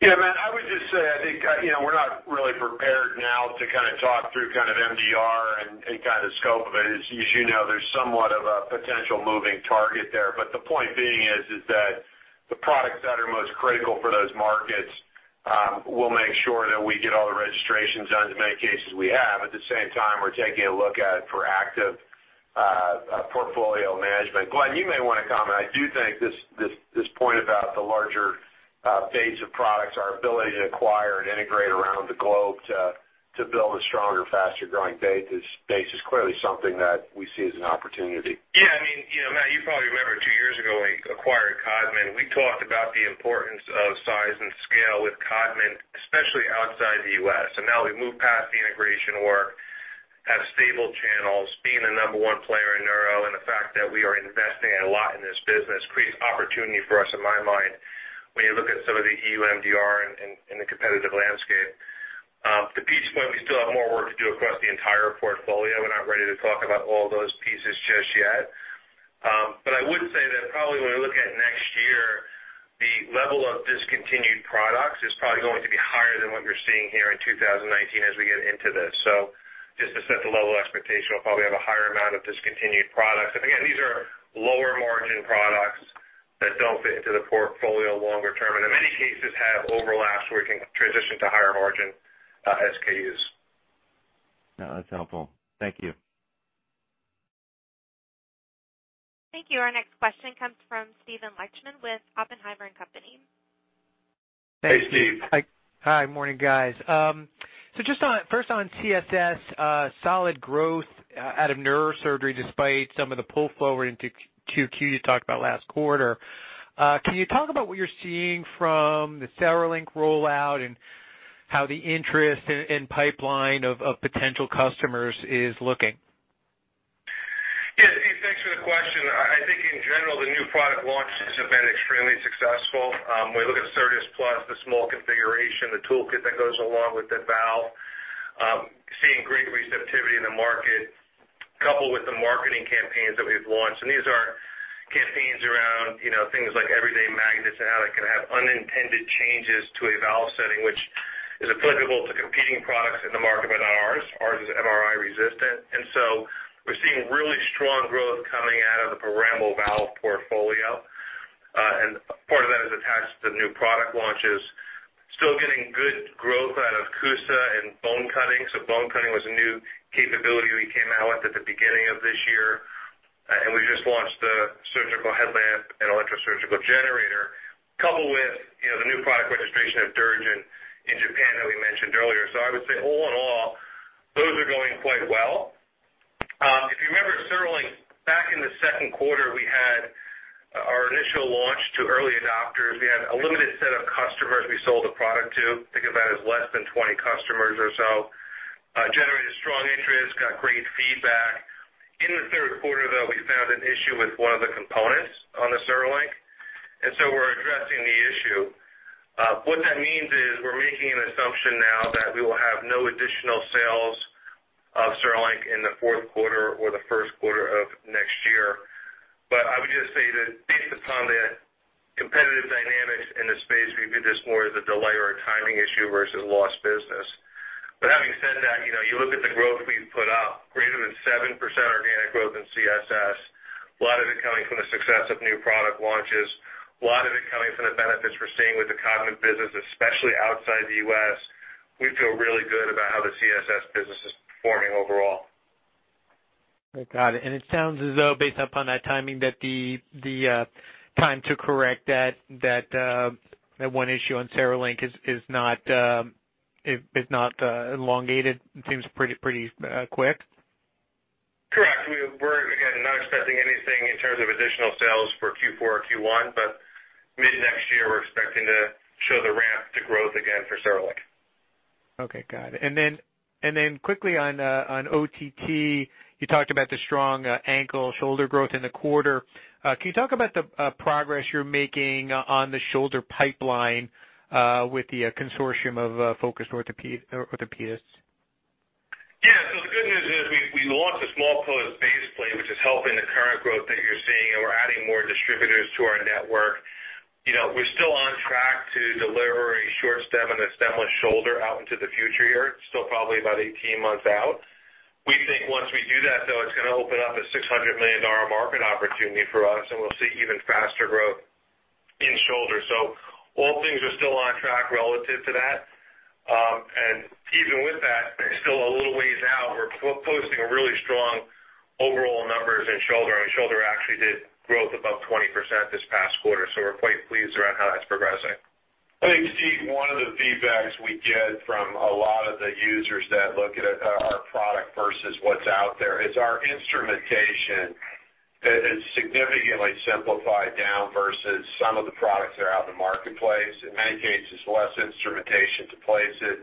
Yeah. I would just say I think we're not really prepared now to kind of talk through kind of MDR and kind of the scope of it. As you know, there's somewhat of a potential moving target there. But the point being is that the products that are most critical for those markets will make sure that we get all the registrations done as many cases we have. At the same time, we're taking a look at it for active portfolio management. Glenn, you may want to comment. I do think this point about the larger base of products, our ability to acquire and integrate around the globe to build a stronger, faster growing base is clearly something that we see as an opportunity. Yeah. I mean, Matt, you probably remember two years ago when we acquired Codman. We talked about the importance of size and scale with Codman, especially outside the U.S., and now we've moved past the integration work, have stable channels, being the number one player in Neuro, and the fact that we are investing a lot in this business creates opportunity for us, in my mind, when you look at some of the EU MDR and the competitive landscape. To Pete's point, we still have more work to do across the entire portfolio. We're not ready to talk about all those pieces just yet. But I would say that probably when we look at next year, the level of discontinued products is probably going to be higher than what you're seeing here in 2019 as we get into this. So just to set the level of expectation, we'll probably have a higher amount of discontinued products. And again, these are lower margin products that don't fit into the portfolio longer term and in many cases have overlaps where we can transition to higher margin SKUs. No, that's helpful. Thank you. Thank you. Our next question comes from Steven Lichtman with Oppenheimer & Co. Hey, Steve. Hi. Morning, guys. So just first on CSS, solid growth out of Neurosurgery despite some of the pull forward into Q2 you talked about last quarter. Can you talk about what you're seeing from the CereLink rollout and how the interest and pipeline of potential customers is looking? Yeah. Thanks for the question. I think in general, the new product launches have been extremely successful. When we look at Certas Plus, the small configuration, the toolkit that goes along with the valve, seeing great receptivity in the market, coupled with the marketing campaigns that we've launched. These are campaigns around things like everyday magnets and how that can have unintended changes to a valve setting, which is applicable to competing products in the market but not ours. Ours is MRI resistant. We're seeing really strong growth coming out of the programmable valve portfolio. Part of that is attached to the new product launches. Still getting good growth out of CUSA and bone cutting. Bone cutting was a new capability we came out with at the beginning of this year. We just launched the surgical headlamp and electrosurgical generator, coupled with the new product registration of DuraGen in Japan that we mentioned earlier. I would say all in all, those are going quite well. If you remember, CereLink, back in the second quarter, we had our initial launch to early adopters. We had a limited set of customers we sold the product to. Think of that as less than 20 customers or so. Generated strong interest, got great feedback. In the third quarter, though, we found an issue with one of the components on the CereLink. And so we're addressing the issue. What that means is we're making an assumption now that we will have no additional sales of CereLink in the fourth quarter or the first quarter of next year. But I would just say that based upon the competitive dynamics in the space, we view this more as a delay or a timing issue versus lost business. But having said that, you look at the growth we've put up, greater than 7% organic growth in CSS. A lot of it coming from the success of new product launches. A lot of it coming from the benefits we're seeing with the Codman business, especially outside the U.S. We feel really good about how the CSS business is performing overall. Got it. And it sounds as though, based upon that timing, that the time to correct that one issue on CereLink is not elongated. It seems pretty quick. Correct. We're, again, not expecting anything in terms of additional sales for Q4 or Q1, but mid-next year, we're expecting to show the ramp to growth again for CereLink. Okay. Got it. And then quickly on OTT, you talked about the strong ankle shoulder growth in the quarter. Can you talk about the progress you're making on the shoulder pipeline with the Consortium of Focused Orthopedists? Yeah. So the good news is we launched a small post baseplate, which is helping the current growth that you're seeing, and we're adding more distributors to our network. We're still on track to deliver a short stem and a stemless shoulder out into the future here. It's still probably about 18 months out. We think once we do that, though, it's going to open up a $600 million market opportunity for us, and we'll see even faster growth in shoulder. So all things are still on track relative to that. And even with that, still a little ways out. We're posting really strong overall numbers in shoulder. I mean, shoulder actually did growth above 20% this past quarter. So we're quite pleased around how that's progressing. I think, Steve, one of the feedbacks we get from a lot of the users that look at our product versus what's out there is our instrumentation is significantly simplified down versus some of the products that are out in the marketplace. In many cases, less instrumentation to place it,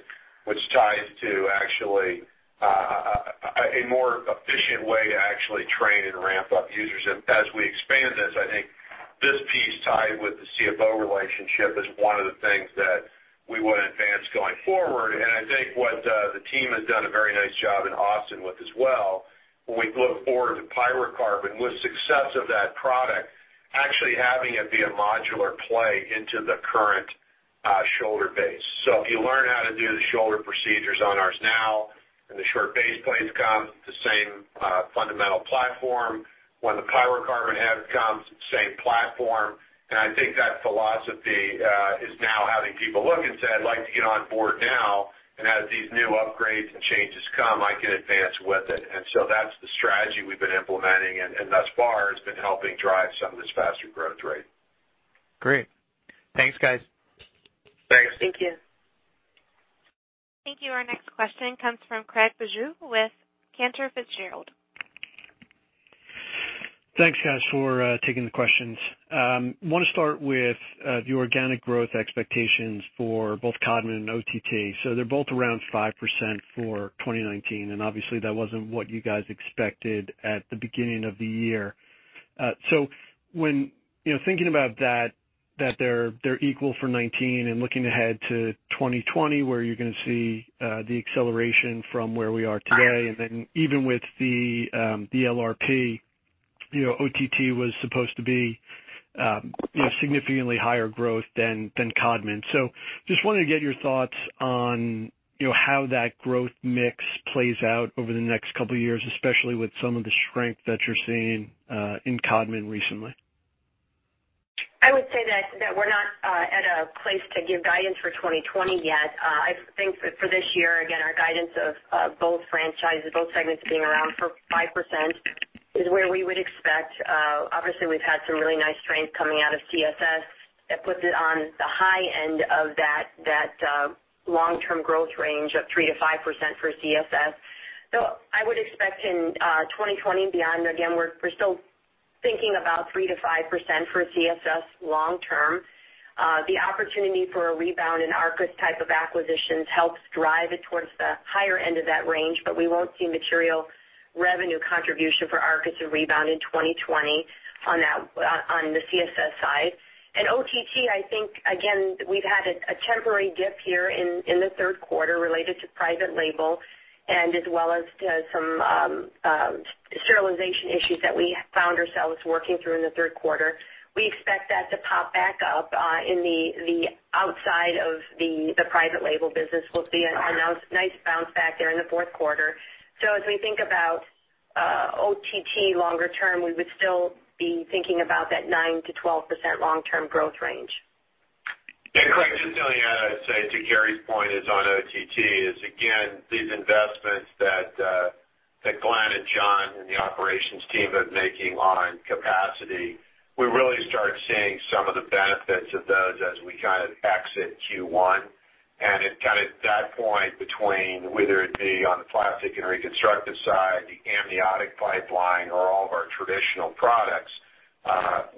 which ties to actually a more efficient way to actually train and ramp up users. And as we expand this, I think this piece tied with the CFO relationship is one of the things that we want to advance going forward. And I think what the team has done a very nice job in Austin with as well, when we look forward to pyrocarbon with success of that product, actually having it be a modular play into the current shoulder base. So if you learn how to do the shoulder procedures on ours now and the short baseplates come, the same fundamental platform. When the pyrocarbon head comes, same platform. And I think that philosophy is now having people look and say, "I'd like to get on board now." And as these new upgrades and changes come, I can advance with it. And so that's the strategy we've been implementing, and thus far has been helping drive some of this faster growth rate. Great. Thanks, guys. Thanks. Thank you. Thank you. Our next question comes from Craig Bijou with Cantor Fitzgerald. Thanks, guys, for taking the questions. I want to start with the organic growth expectations for both Codman and OTT. So they're both around 5% for 2019. And obviously, that wasn't what you guys expected at the beginning of the year. Thinking about that, that they're equal for 2019 and looking ahead to 2020, where you're going to see the acceleration from where we are today. And then even with the LRP, OTT was supposed to be significantly higher growth than Codman. So just wanted to get your thoughts on how that growth mix plays out over the next couple of years, especially with some of the strength that you're seeing in Codman recently. I would say that we're not at a place to give guidance for 2020 yet. I think for this year, again, our guidance of both franchises, both segments being around 5% is where we would expect. Obviously, we've had some really nice strength coming out of CSS that puts it on the high end of that long-term growth range of 3%-5% for CSS. So I would expect in 2020 and beyond, again, we're still thinking about 3%-5% for CSS long-term. The opportunity for a rebound in Arkis-type of acquisitions helps drive it towards the higher end of that range, but we won't see material revenue contribution for Arkis and Rebound in 2020 on the CSS side. And OTT, I think, again, we've had a temporary dip here in the third quarter related to private label and as well as to some sterilization issues that we found ourselves working through in the third quarter. We expect that to pop back up in the absence of the private label business. We'll see a nice bounce back there in the fourth quarter. So as we think about OTT longer term, we would still be thinking about that 9%-12% long-term growth range. Yeah. Craig, just to add to Carrie's point on OTT is, again, these investments that Glenn and John and the operations team have been making on capacity, we really start seeing some of the benefits of those as we kind of exit Q1. And at that point, between whether it be on the plastic and reconstructive side, the amniotic pipeline, or all of our traditional products,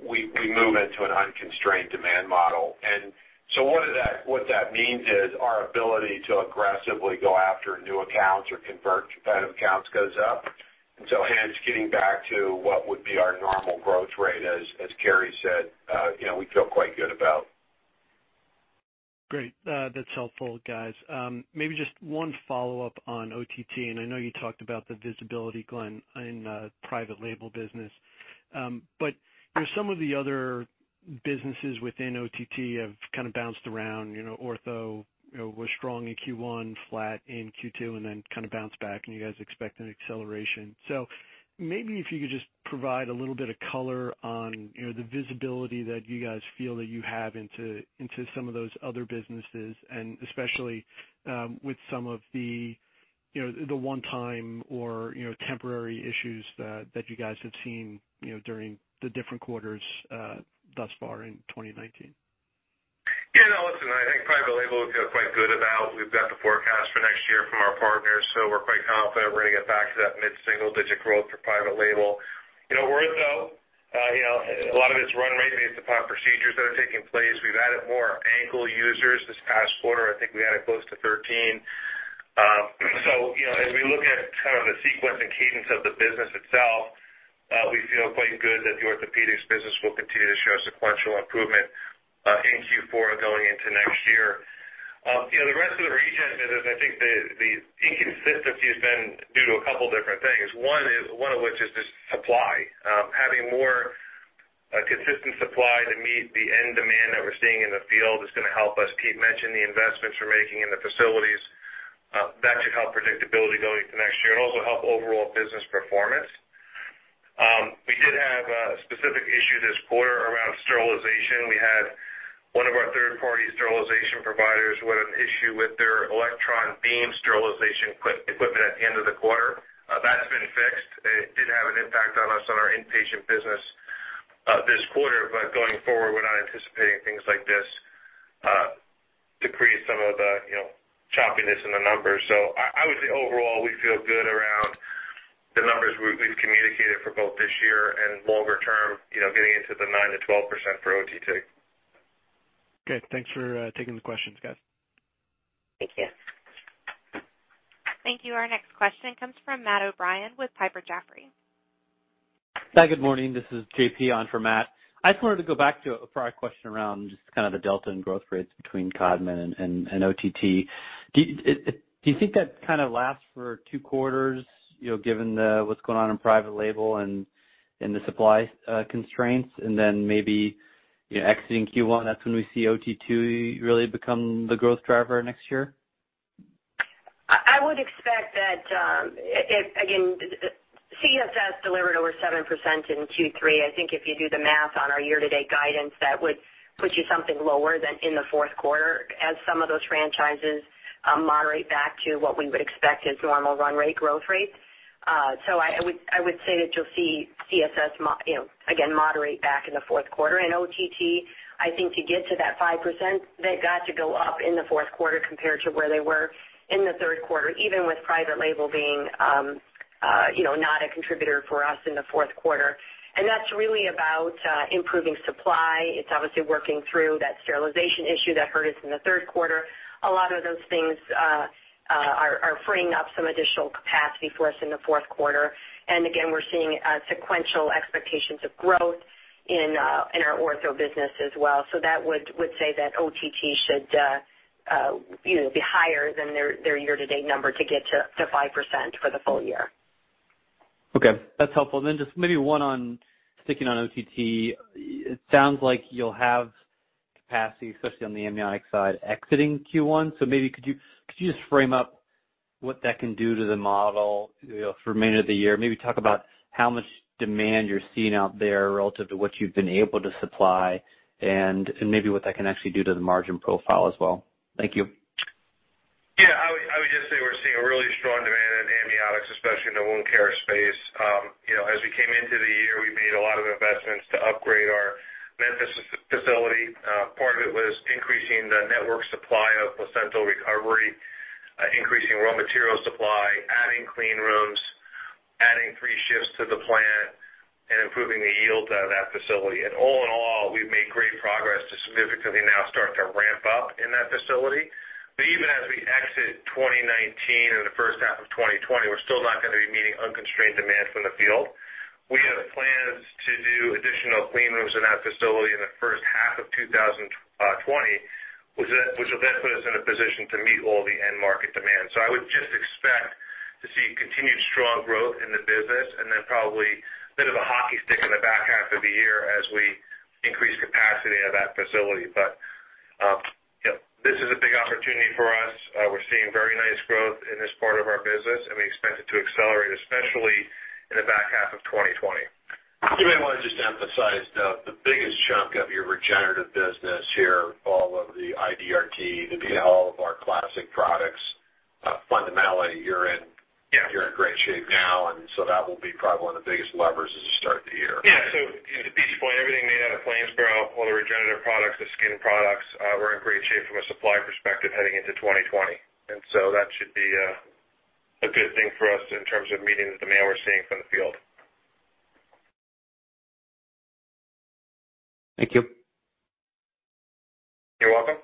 we move into an unconstrained demand model. And so what that means is our ability to aggressively go after new accounts or convert competitive accounts goes up. And so hence, getting back to what would be our normal growth rate, as Carrie said, we feel quite good about. Great. That's helpful, guys. Maybe just one follow-up on OTT. And I know you talked about the visibility, Glenn, in the private label business. But some of the other businesses within OTT have kind of bounced around. Ortho was strong in Q1, flat in Q2, and then kind of bounced back, and you guys expect an acceleration. So maybe if you could just provide a little bit of color on the visibility that you guys feel that you have into some of those other businesses, and especially with some of the one-time or temporary issues that you guys have seen during the different quarters thus far in 2019. Yeah. No, listen, I think private label feels quite good about we've got the forecast for next year from our partners. So we're quite confident we're going to get back to that mid-single-digit growth for private label. We're at though. A lot of it's run rate based upon procedures that are taking place. We've added more ankle users this past quarter. I think we added close to 13. So as we look at kind of the sequence and cadence of the business itself, we feel quite good that the orthopedics business will continue to show sequential improvement in Q4 going into next year. The rest of the region, I think the inconsistency has been due to a couple of different things. One of which is the supply. Having more consistent supply to meet the end demand that we're seeing in the field is going to help us. Pete mentioned the investments we're making in the facilities. That should help predictability going into next year and also help overall business performance. We did have specific issues this quarter around sterilization. We had one of our third-party sterilization providers who had an issue with their electron beam sterilization equipment at the end of the quarter. That's been fixed. It did have an impact on us, on our inpatient business this quarter, but going forward, we're not anticipating things like this to create some of the choppiness in the numbers. So I would say overall, we feel good around the numbers we've communicated for both this year and longer term, getting into the 9%-12% for OTT. Good. Thanks for taking the questions, guys. Thank you. Thank you. Our next question comes from Matt O'Brien with Piper Jaffray. Hi. Good morning. This is JP on for Matt. I just wanted to go back to a prior question around just kind of the delta in growth rates between Codman and OTT. Do you think that kind of lasts for two quarters, given what's going on in private label and the supply constraints, and then maybe exiting Q1? That's when we see OTT really become the growth driver next year? I would expect that, again, CSS delivered over 7% in Q3. I think if you do the math on our year-to-date guidance, that would put you something lower than in the fourth quarter, as some of those franchises moderate back to what we would expect as normal run rate growth rates. So I would say that you'll see CSS, again, moderate back in the fourth quarter. And OTT, I think to get to that 5%, they got to go up in the fourth quarter compared to where they were in the third quarter, even with private label being not a contributor for us in the fourth quarter. And that's really about improving supply. It's obviously working through that sterilization issue that hurt us in the third quarter. A lot of those things are freeing up some additional capacity for us in the fourth quarter, and again, we're seeing sequential expectations of growth in our ortho business as well, so that would say that OTT should be higher than their year-to-date number to get to 5% for the full year. Okay. That's helpful, then just maybe one on sticking on OTT. It sounds like you'll have capacity, especially on the amniotic side, exiting Q1, so maybe could you just frame up what that can do to the model for remainder of the year? Maybe talk about how much demand you're seeing out there relative to what you've been able to supply and maybe what that can actually do to the margin profile as well. Thank you. Yeah. I would just say we're seeing a really strong demand in amniotics, especially in the wound care space. As we came into the year, we made a lot of investments to upgrade our Memphis facility. Part of it was increasing the network supply of placental recovery, increasing raw material supply, adding clean rooms, adding three shifts to the plant, and improving the yields out of that facility. And all in all, we've made great progress to significantly now start to ramp up in that facility. But even as we exit 2019 and the first half of 2020, we're still not going to be meeting unconstrained demand from the field. We have plans to do additional clean rooms in that facility in the first half of 2020, which will then put us in a position to meet all the end market demand. I would just expect to see continued strong growth in the business and then probably a bit of a hockey stick in the back half of the year as we increase capacity at that facility. But this is a big opportunity for us. We're seeing very nice growth in this part of our business, and we expect it to accelerate, especially in the back half of 2020. You may want to just emphasize the biggest chunk of your regenerative business here, all of the IDRT, the bulk of our classic products. Fundamentally, you're in great shape now, and so that will be probably one of the biggest levers as you start the year. Yeah, so to Pete's point, everything's in place for all the regenerative products, the skin products. We're in great shape from a supply perspective heading into 2020. And so that should be a good thing for us in terms of meeting the demand we're seeing from the field. Thank you. You're welcome.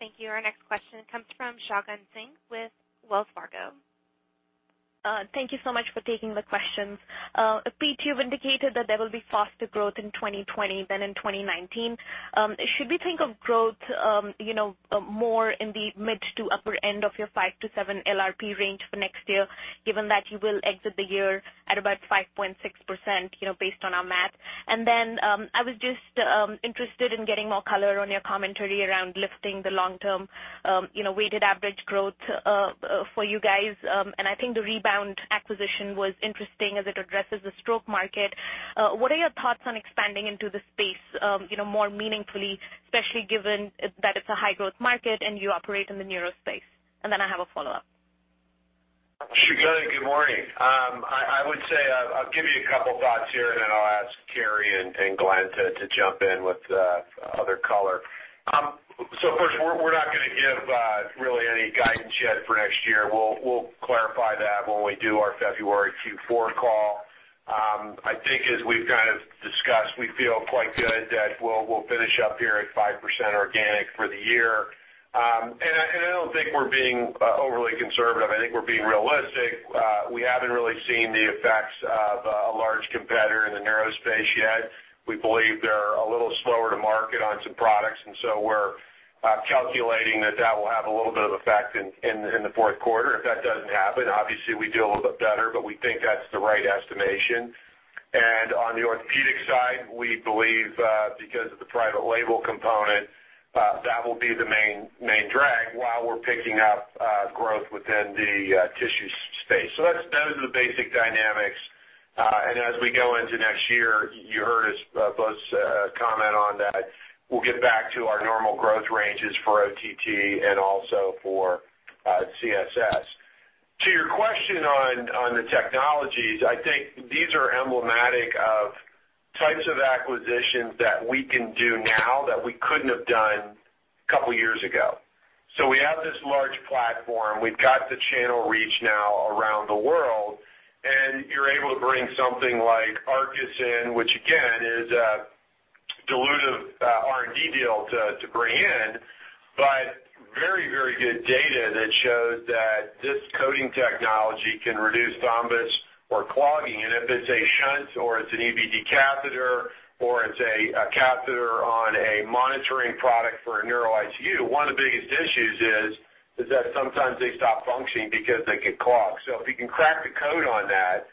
Thank you. Our next question comes from Shagun Singh with Wells Fargo. Thank you so much for taking the questions. Pete, you've indicated that there will be faster growth in 2020 than in 2019. Should we think of growth more in the mid to upper end of your 5%-7% LRP range for next year, given that you will exit the year at about 5.6% based on our math? And then I was just interested in getting more color on your commentary around lifting the long-term weighted average growth for you guys. And I think the Rebound acquisition was interesting as it addresses the stroke market. What are your thoughts on expanding into the space more meaningfully, especially given that it's a high-growth market and you operate in the neuro space? And then I have a follow-up. Should be good. Good morning. I would say I'll give you a couple of thoughts here, and then I'll ask Carrie and Glenn to jump in with other color. So first, we're not going to give really any guidance yet for next year. We'll clarify that when we do our February Q4 call. I think as we've kind of discussed, we feel quite good that we'll finish up here at 5% organic for the year, and I don't think we're being overly conservative. I think we're being realistic. We haven't really seen the effects of a large competitor in the neuro space yet. We believe they're a little slower to market on some products. And so we're calculating that that will have a little bit of effect in the fourth quarter. If that doesn't happen, obviously, we do a little bit better, but we think that's the right estimation. And on the orthopedic side, we believe because of the private label component, that will be the main drag while we're picking up growth within the tissue space. So those are the basic dynamics. And as we go into next year, you heard us both comment on that. We'll get back to our normal growth ranges for OTT and also for CSS. To your question on the technologies, I think these are emblematic of types of acquisitions that we can do now that we couldn't have done a couple of years ago. So we have this large platform. We've got the channel reach now around the world. And you're able to bring something like Arkis in, which again, is a dilutive R&D deal to bring in, but very, very good data that shows that this coating technology can reduce thrombus or clogging. And if it's a shunt or it's an EVD catheter or it's a catheter on a monitoring product for a neuro-ICU, one of the biggest issues is that sometimes they stop functioning because they get clogged. So if you can crack the code on that,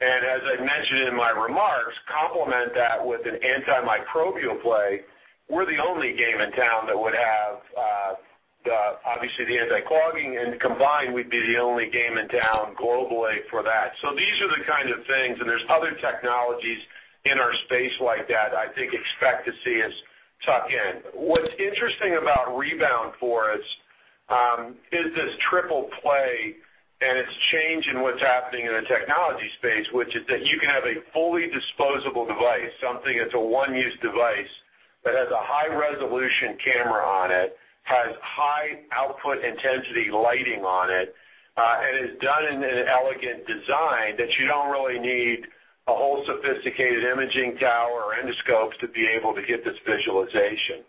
and as I mentioned in my remarks, complement that with an antimicrobial play, we're the only game in town that would have obviously the anti-clogging, and combined, we'd be the only game in town globally for that. So these are the kind of things. And there's other technologies in our space like that I think expect to see us tuck in. What's interesting about Rebound for us is this triple play, and it's changing what's happening in the technology space, which is that you can have a fully disposable device, something that's a one-use device that has a high-resolution camera on it, has high-output intensity lighting on it, and is done in an elegant design that you don't really need a whole sophisticated imaging tower or endoscopes to be able to get this visualization.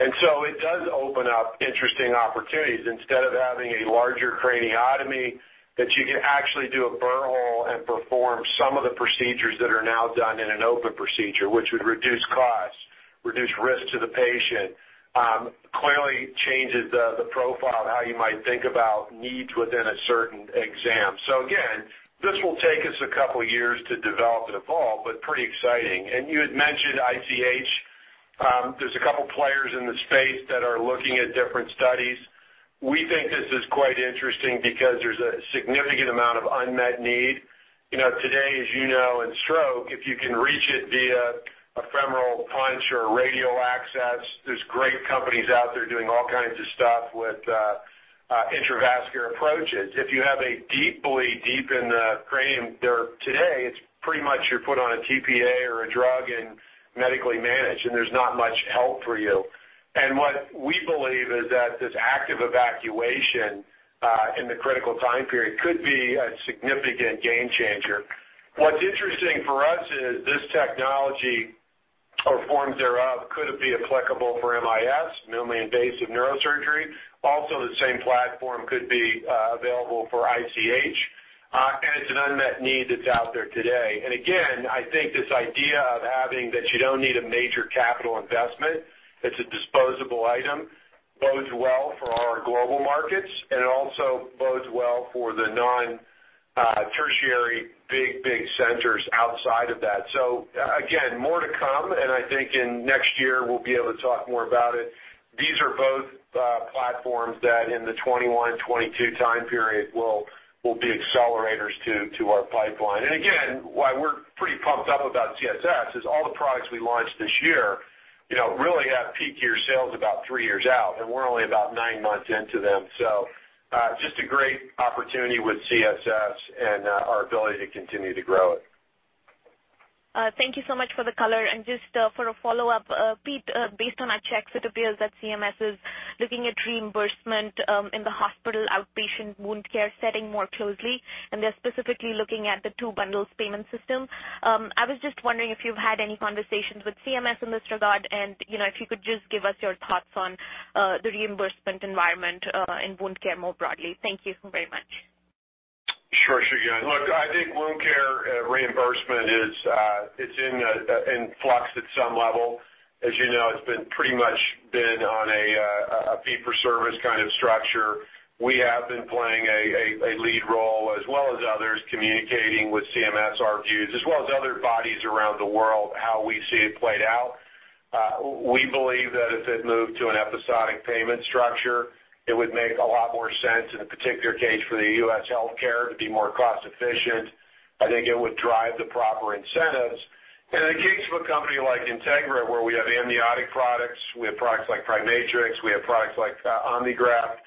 And so it does open up interesting opportunities. Instead of having a larger craniotomy, that you can actually do a burr hole and perform some of the procedures that are now done in an open procedure, which would reduce cost, reduce risk to the patient, clearly changes the profile of how you might think about needs within a certain exam. So again, this will take us a couple of years to develop and evolve, but pretty exciting. And you had mentioned ICH. There's a couple of players in the space that are looking at different studies. We think this is quite interesting because there's a significant amount of unmet need. Today, as you know, in stroke, if you can reach it via a femoral puncture or a radial access, there's great companies out there doing all kinds of stuff with intravascular approaches. If you have a deep bleed in the cranium today, it's pretty much you're put on a tPA or a drug and medically managed, and there's not much help for you. And what we believe is that this active evacuation in the critical time period could be a significant game changer. What's interesting for us is this technology or forms thereof could be applicable for MIS, minimally invasive neurosurgery. Also, the same platform could be available for ICH. It's an unmet need that's out there today. Again, I think this idea of having that you don't need a major capital investment, it's a disposable item, bodes well for our global markets, and it also bodes well for the non-tertiary big, big centers outside of that. Again, more to come. I think in next year, we'll be able to talk more about it. These are both platforms that in the 2021, 2022 time period will be accelerators to our pipeline. Again, why we're pretty pumped up about CSS is all the products we launched this year really have peak year sales about three years out, and we're only about nine months into them. Just a great opportunity with CSS and our ability to continue to grow it. Thank you so much for the color. Just for a follow-up, Pete, based on our checks, it appears that CMS is looking at reimbursement in the hospital outpatient wound care setting more closely. They're specifically looking at the two-bundle payment system. I was just wondering if you've had any conversations with CMS in this regard and if you could just give us your thoughts on the reimbursement environment in wound care more broadly. Thank you very much. Sure, sure, yeah. Look, I think wound care reimbursement, it's in flux at some level. As you know, it's pretty much been on a fee-for-service kind of structure. We have been playing a lead role as well as others, communicating with CMS, our views, as well as other bodies around the world, how we see it played out. We believe that if it moved to an episodic payment structure, it would make a lot more sense in the particular case for the U.S. healthcare to be more cost-efficient. I think it would drive the proper incentives. And in the case of a company like Integra, where we have amniotic products, we have products like PriMatrix, we have products like OmniGraft,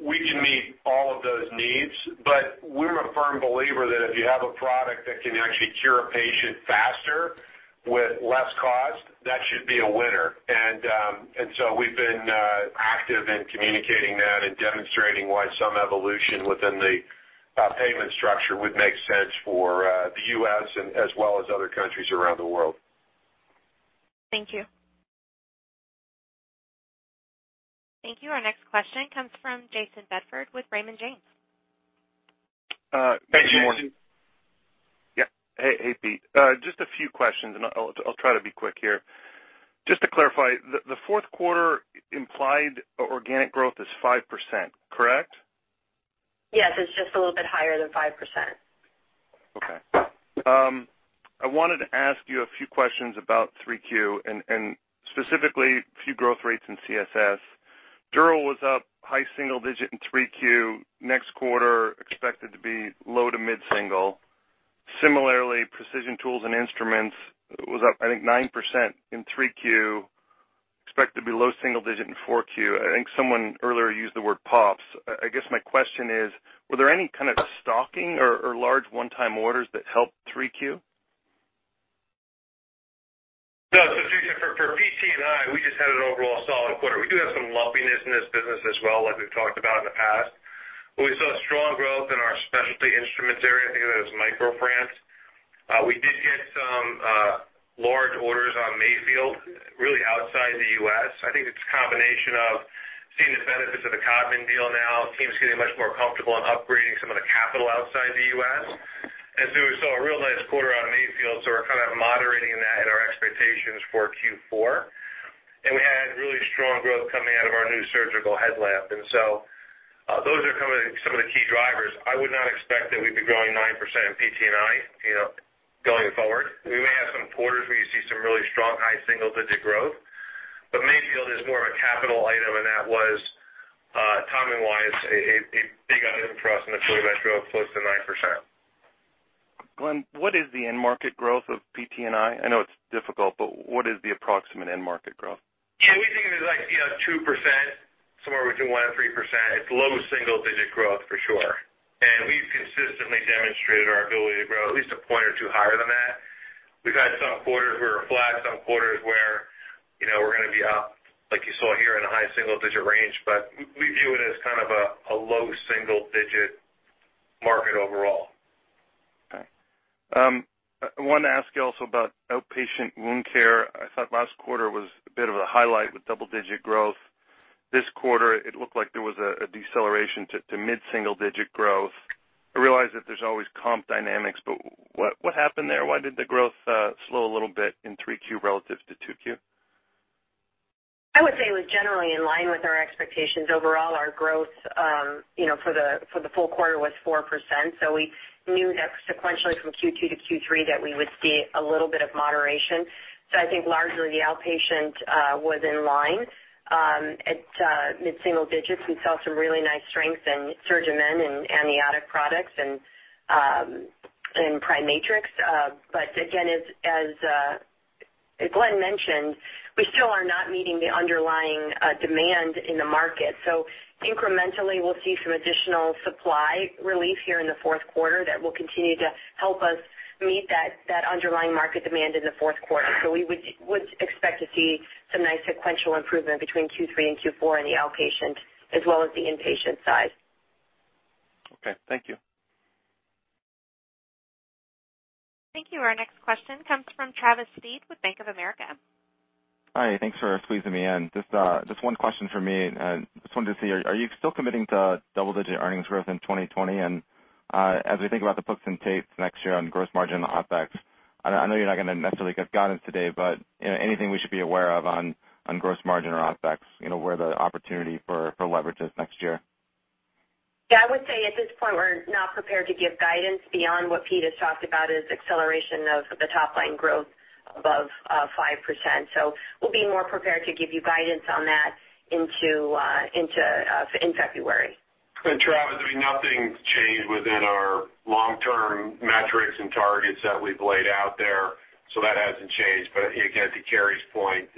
we can meet all of those needs. But we're a firm believer that if you have a product that can actually cure a patient faster with less cost, that should be a winner. And so we've been active in communicating that and demonstrating why some evolution within the payment structure would make sense for the U.S. as well as other countries around the world. Thank you. Thank you. Our next question comes from Jason Bedford with Raymond James. Hey, Jason. Good morning. Yeah. Hey, Pete. Just a few questions, and I'll try to be quick here. Just to clarify, the fourth quarter implied organic growth is 5%, correct? Yes. It's just a little bit higher than 5%. Okay. I wanted to ask you a few questions about 3Q and specifically a few growth rates in CSS. Dural was up high single digit in 3Q. Next quarter, expected to be low to mid single. Similarly, Precision Tools and Instruments was up, I think, 9% in 3Q. Expected to be low single digit in 4Q. I think someone earlier used the word pops. I guess my question is, were there any kind of stocking or large one-time orders that helped 3Q? No. So for PT&I, we just had an overall solid quarter. We do have some lumpiness in this business as well, like we've talked about in the past. But we saw strong growth in our specialty instruments area. I think that was MicroFrance. We did get some large orders on Mayfield, really outside the U.S. I think it's a combination of seeing the benefits of the Codman deal now. Teams are getting much more comfortable in upgrading some of the capital outside the U.S. And so we saw a real nice quarter on Mayfield, so we're kind of moderating that in our expectations for Q4. And we had really strong growth coming out of our new surgical headlamp. And so those are some of the key drivers. I would not expect that we'd be growing 9% in PT&I going forward. We may have some quarters where you see some really strong high single-digit growth. But Mayfield is more of a capital item, and that was, timing-wise, a big item for us in the quarter that drove close to 9%. Glenn, what is the end market growth of PT&I? I know it's difficult, but what is the approximate end market growth? Yeah. We think it's like 2%, somewhere between 1% and 3%. It's low single-digit growth for sure. And we've consistently demonstrated our ability to grow at least a point or two higher than that. We've had some quarters where we're flat, some quarters where we're going to be up, like you saw here, in a high single-digit range. But we view it as kind of a low single-digit market overall. Okay. I wanted to ask you also about outpatient wound care. I thought last quarter was a bit of a highlight with double-digit growth. This quarter, it looked like there was a deceleration to mid-single-digit growth. I realize that there's always comp dynamics, but what happened there? Why did the growth slow a little bit in 3Q relative to 2Q? I would say it was generally in line with our expectations. Overall, our growth for the full quarter was 4%. So we knew that sequentially from Q2 to Q3 that we would see a little bit of moderation. So I think largely the outpatient was in line at mid-single digits. We saw some really nice strength in SurgiMend and amniotic products and PriMatrix. But again, as Glenn mentioned, we still are not meeting the underlying demand in the market. So incrementally, we'll see some additional supply relief here in the fourth quarter that will continue to help us meet that underlying market demand in the fourth quarter. So we would expect to see some nice sequential improvement between Q3 and Q4 in the outpatient as well as the inpatient side. Okay. Thank you. Thank you. Our next question comes from Travis Steed with Bank of America. Hi. Thanks for squeezing me in. Just one question for me. Just wanted to see, are you still committing to double-digit earnings growth in 2020? And as we think about the bookings and topline next year on gross margin OpEx, I know you're not going to necessarily give guidance today, but anything we should be aware of on gross margin or OpEx, where the opportunity for leverage is next year? Yeah. I would say at this point, we're not prepared to give guidance beyond what Pete has talked about, is acceleration of the top-line growth above 5%. So we'll be more prepared to give you guidance on that in February. And Travis, I mean, nothing's changed within our long-term metrics and targets that we've laid out there. So that hasn't changed. But again, to Carrie's point,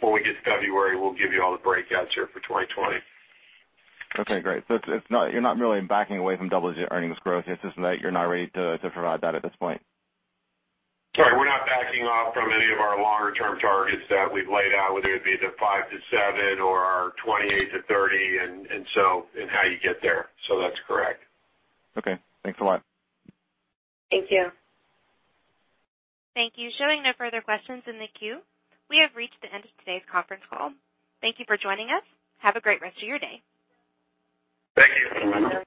when we get to February, we'll give you all the breakouts here for 2020. Okay. Great. So you're not really backing away from double-digit earnings growth. It's just that you're not ready to provide that at this point. Sorry. We're not backing off from any of our longer-term targets that we've laid out, whether it be the 5 to 7 or our 28 to 30 and so in how you get there. So that's correct. Okay. Thanks a lot. Thank you. Thank you. Showing no further questions in the queue, we have reached the end of today's conference call. Thank you for joining us. Have a great rest of your day. Thank you.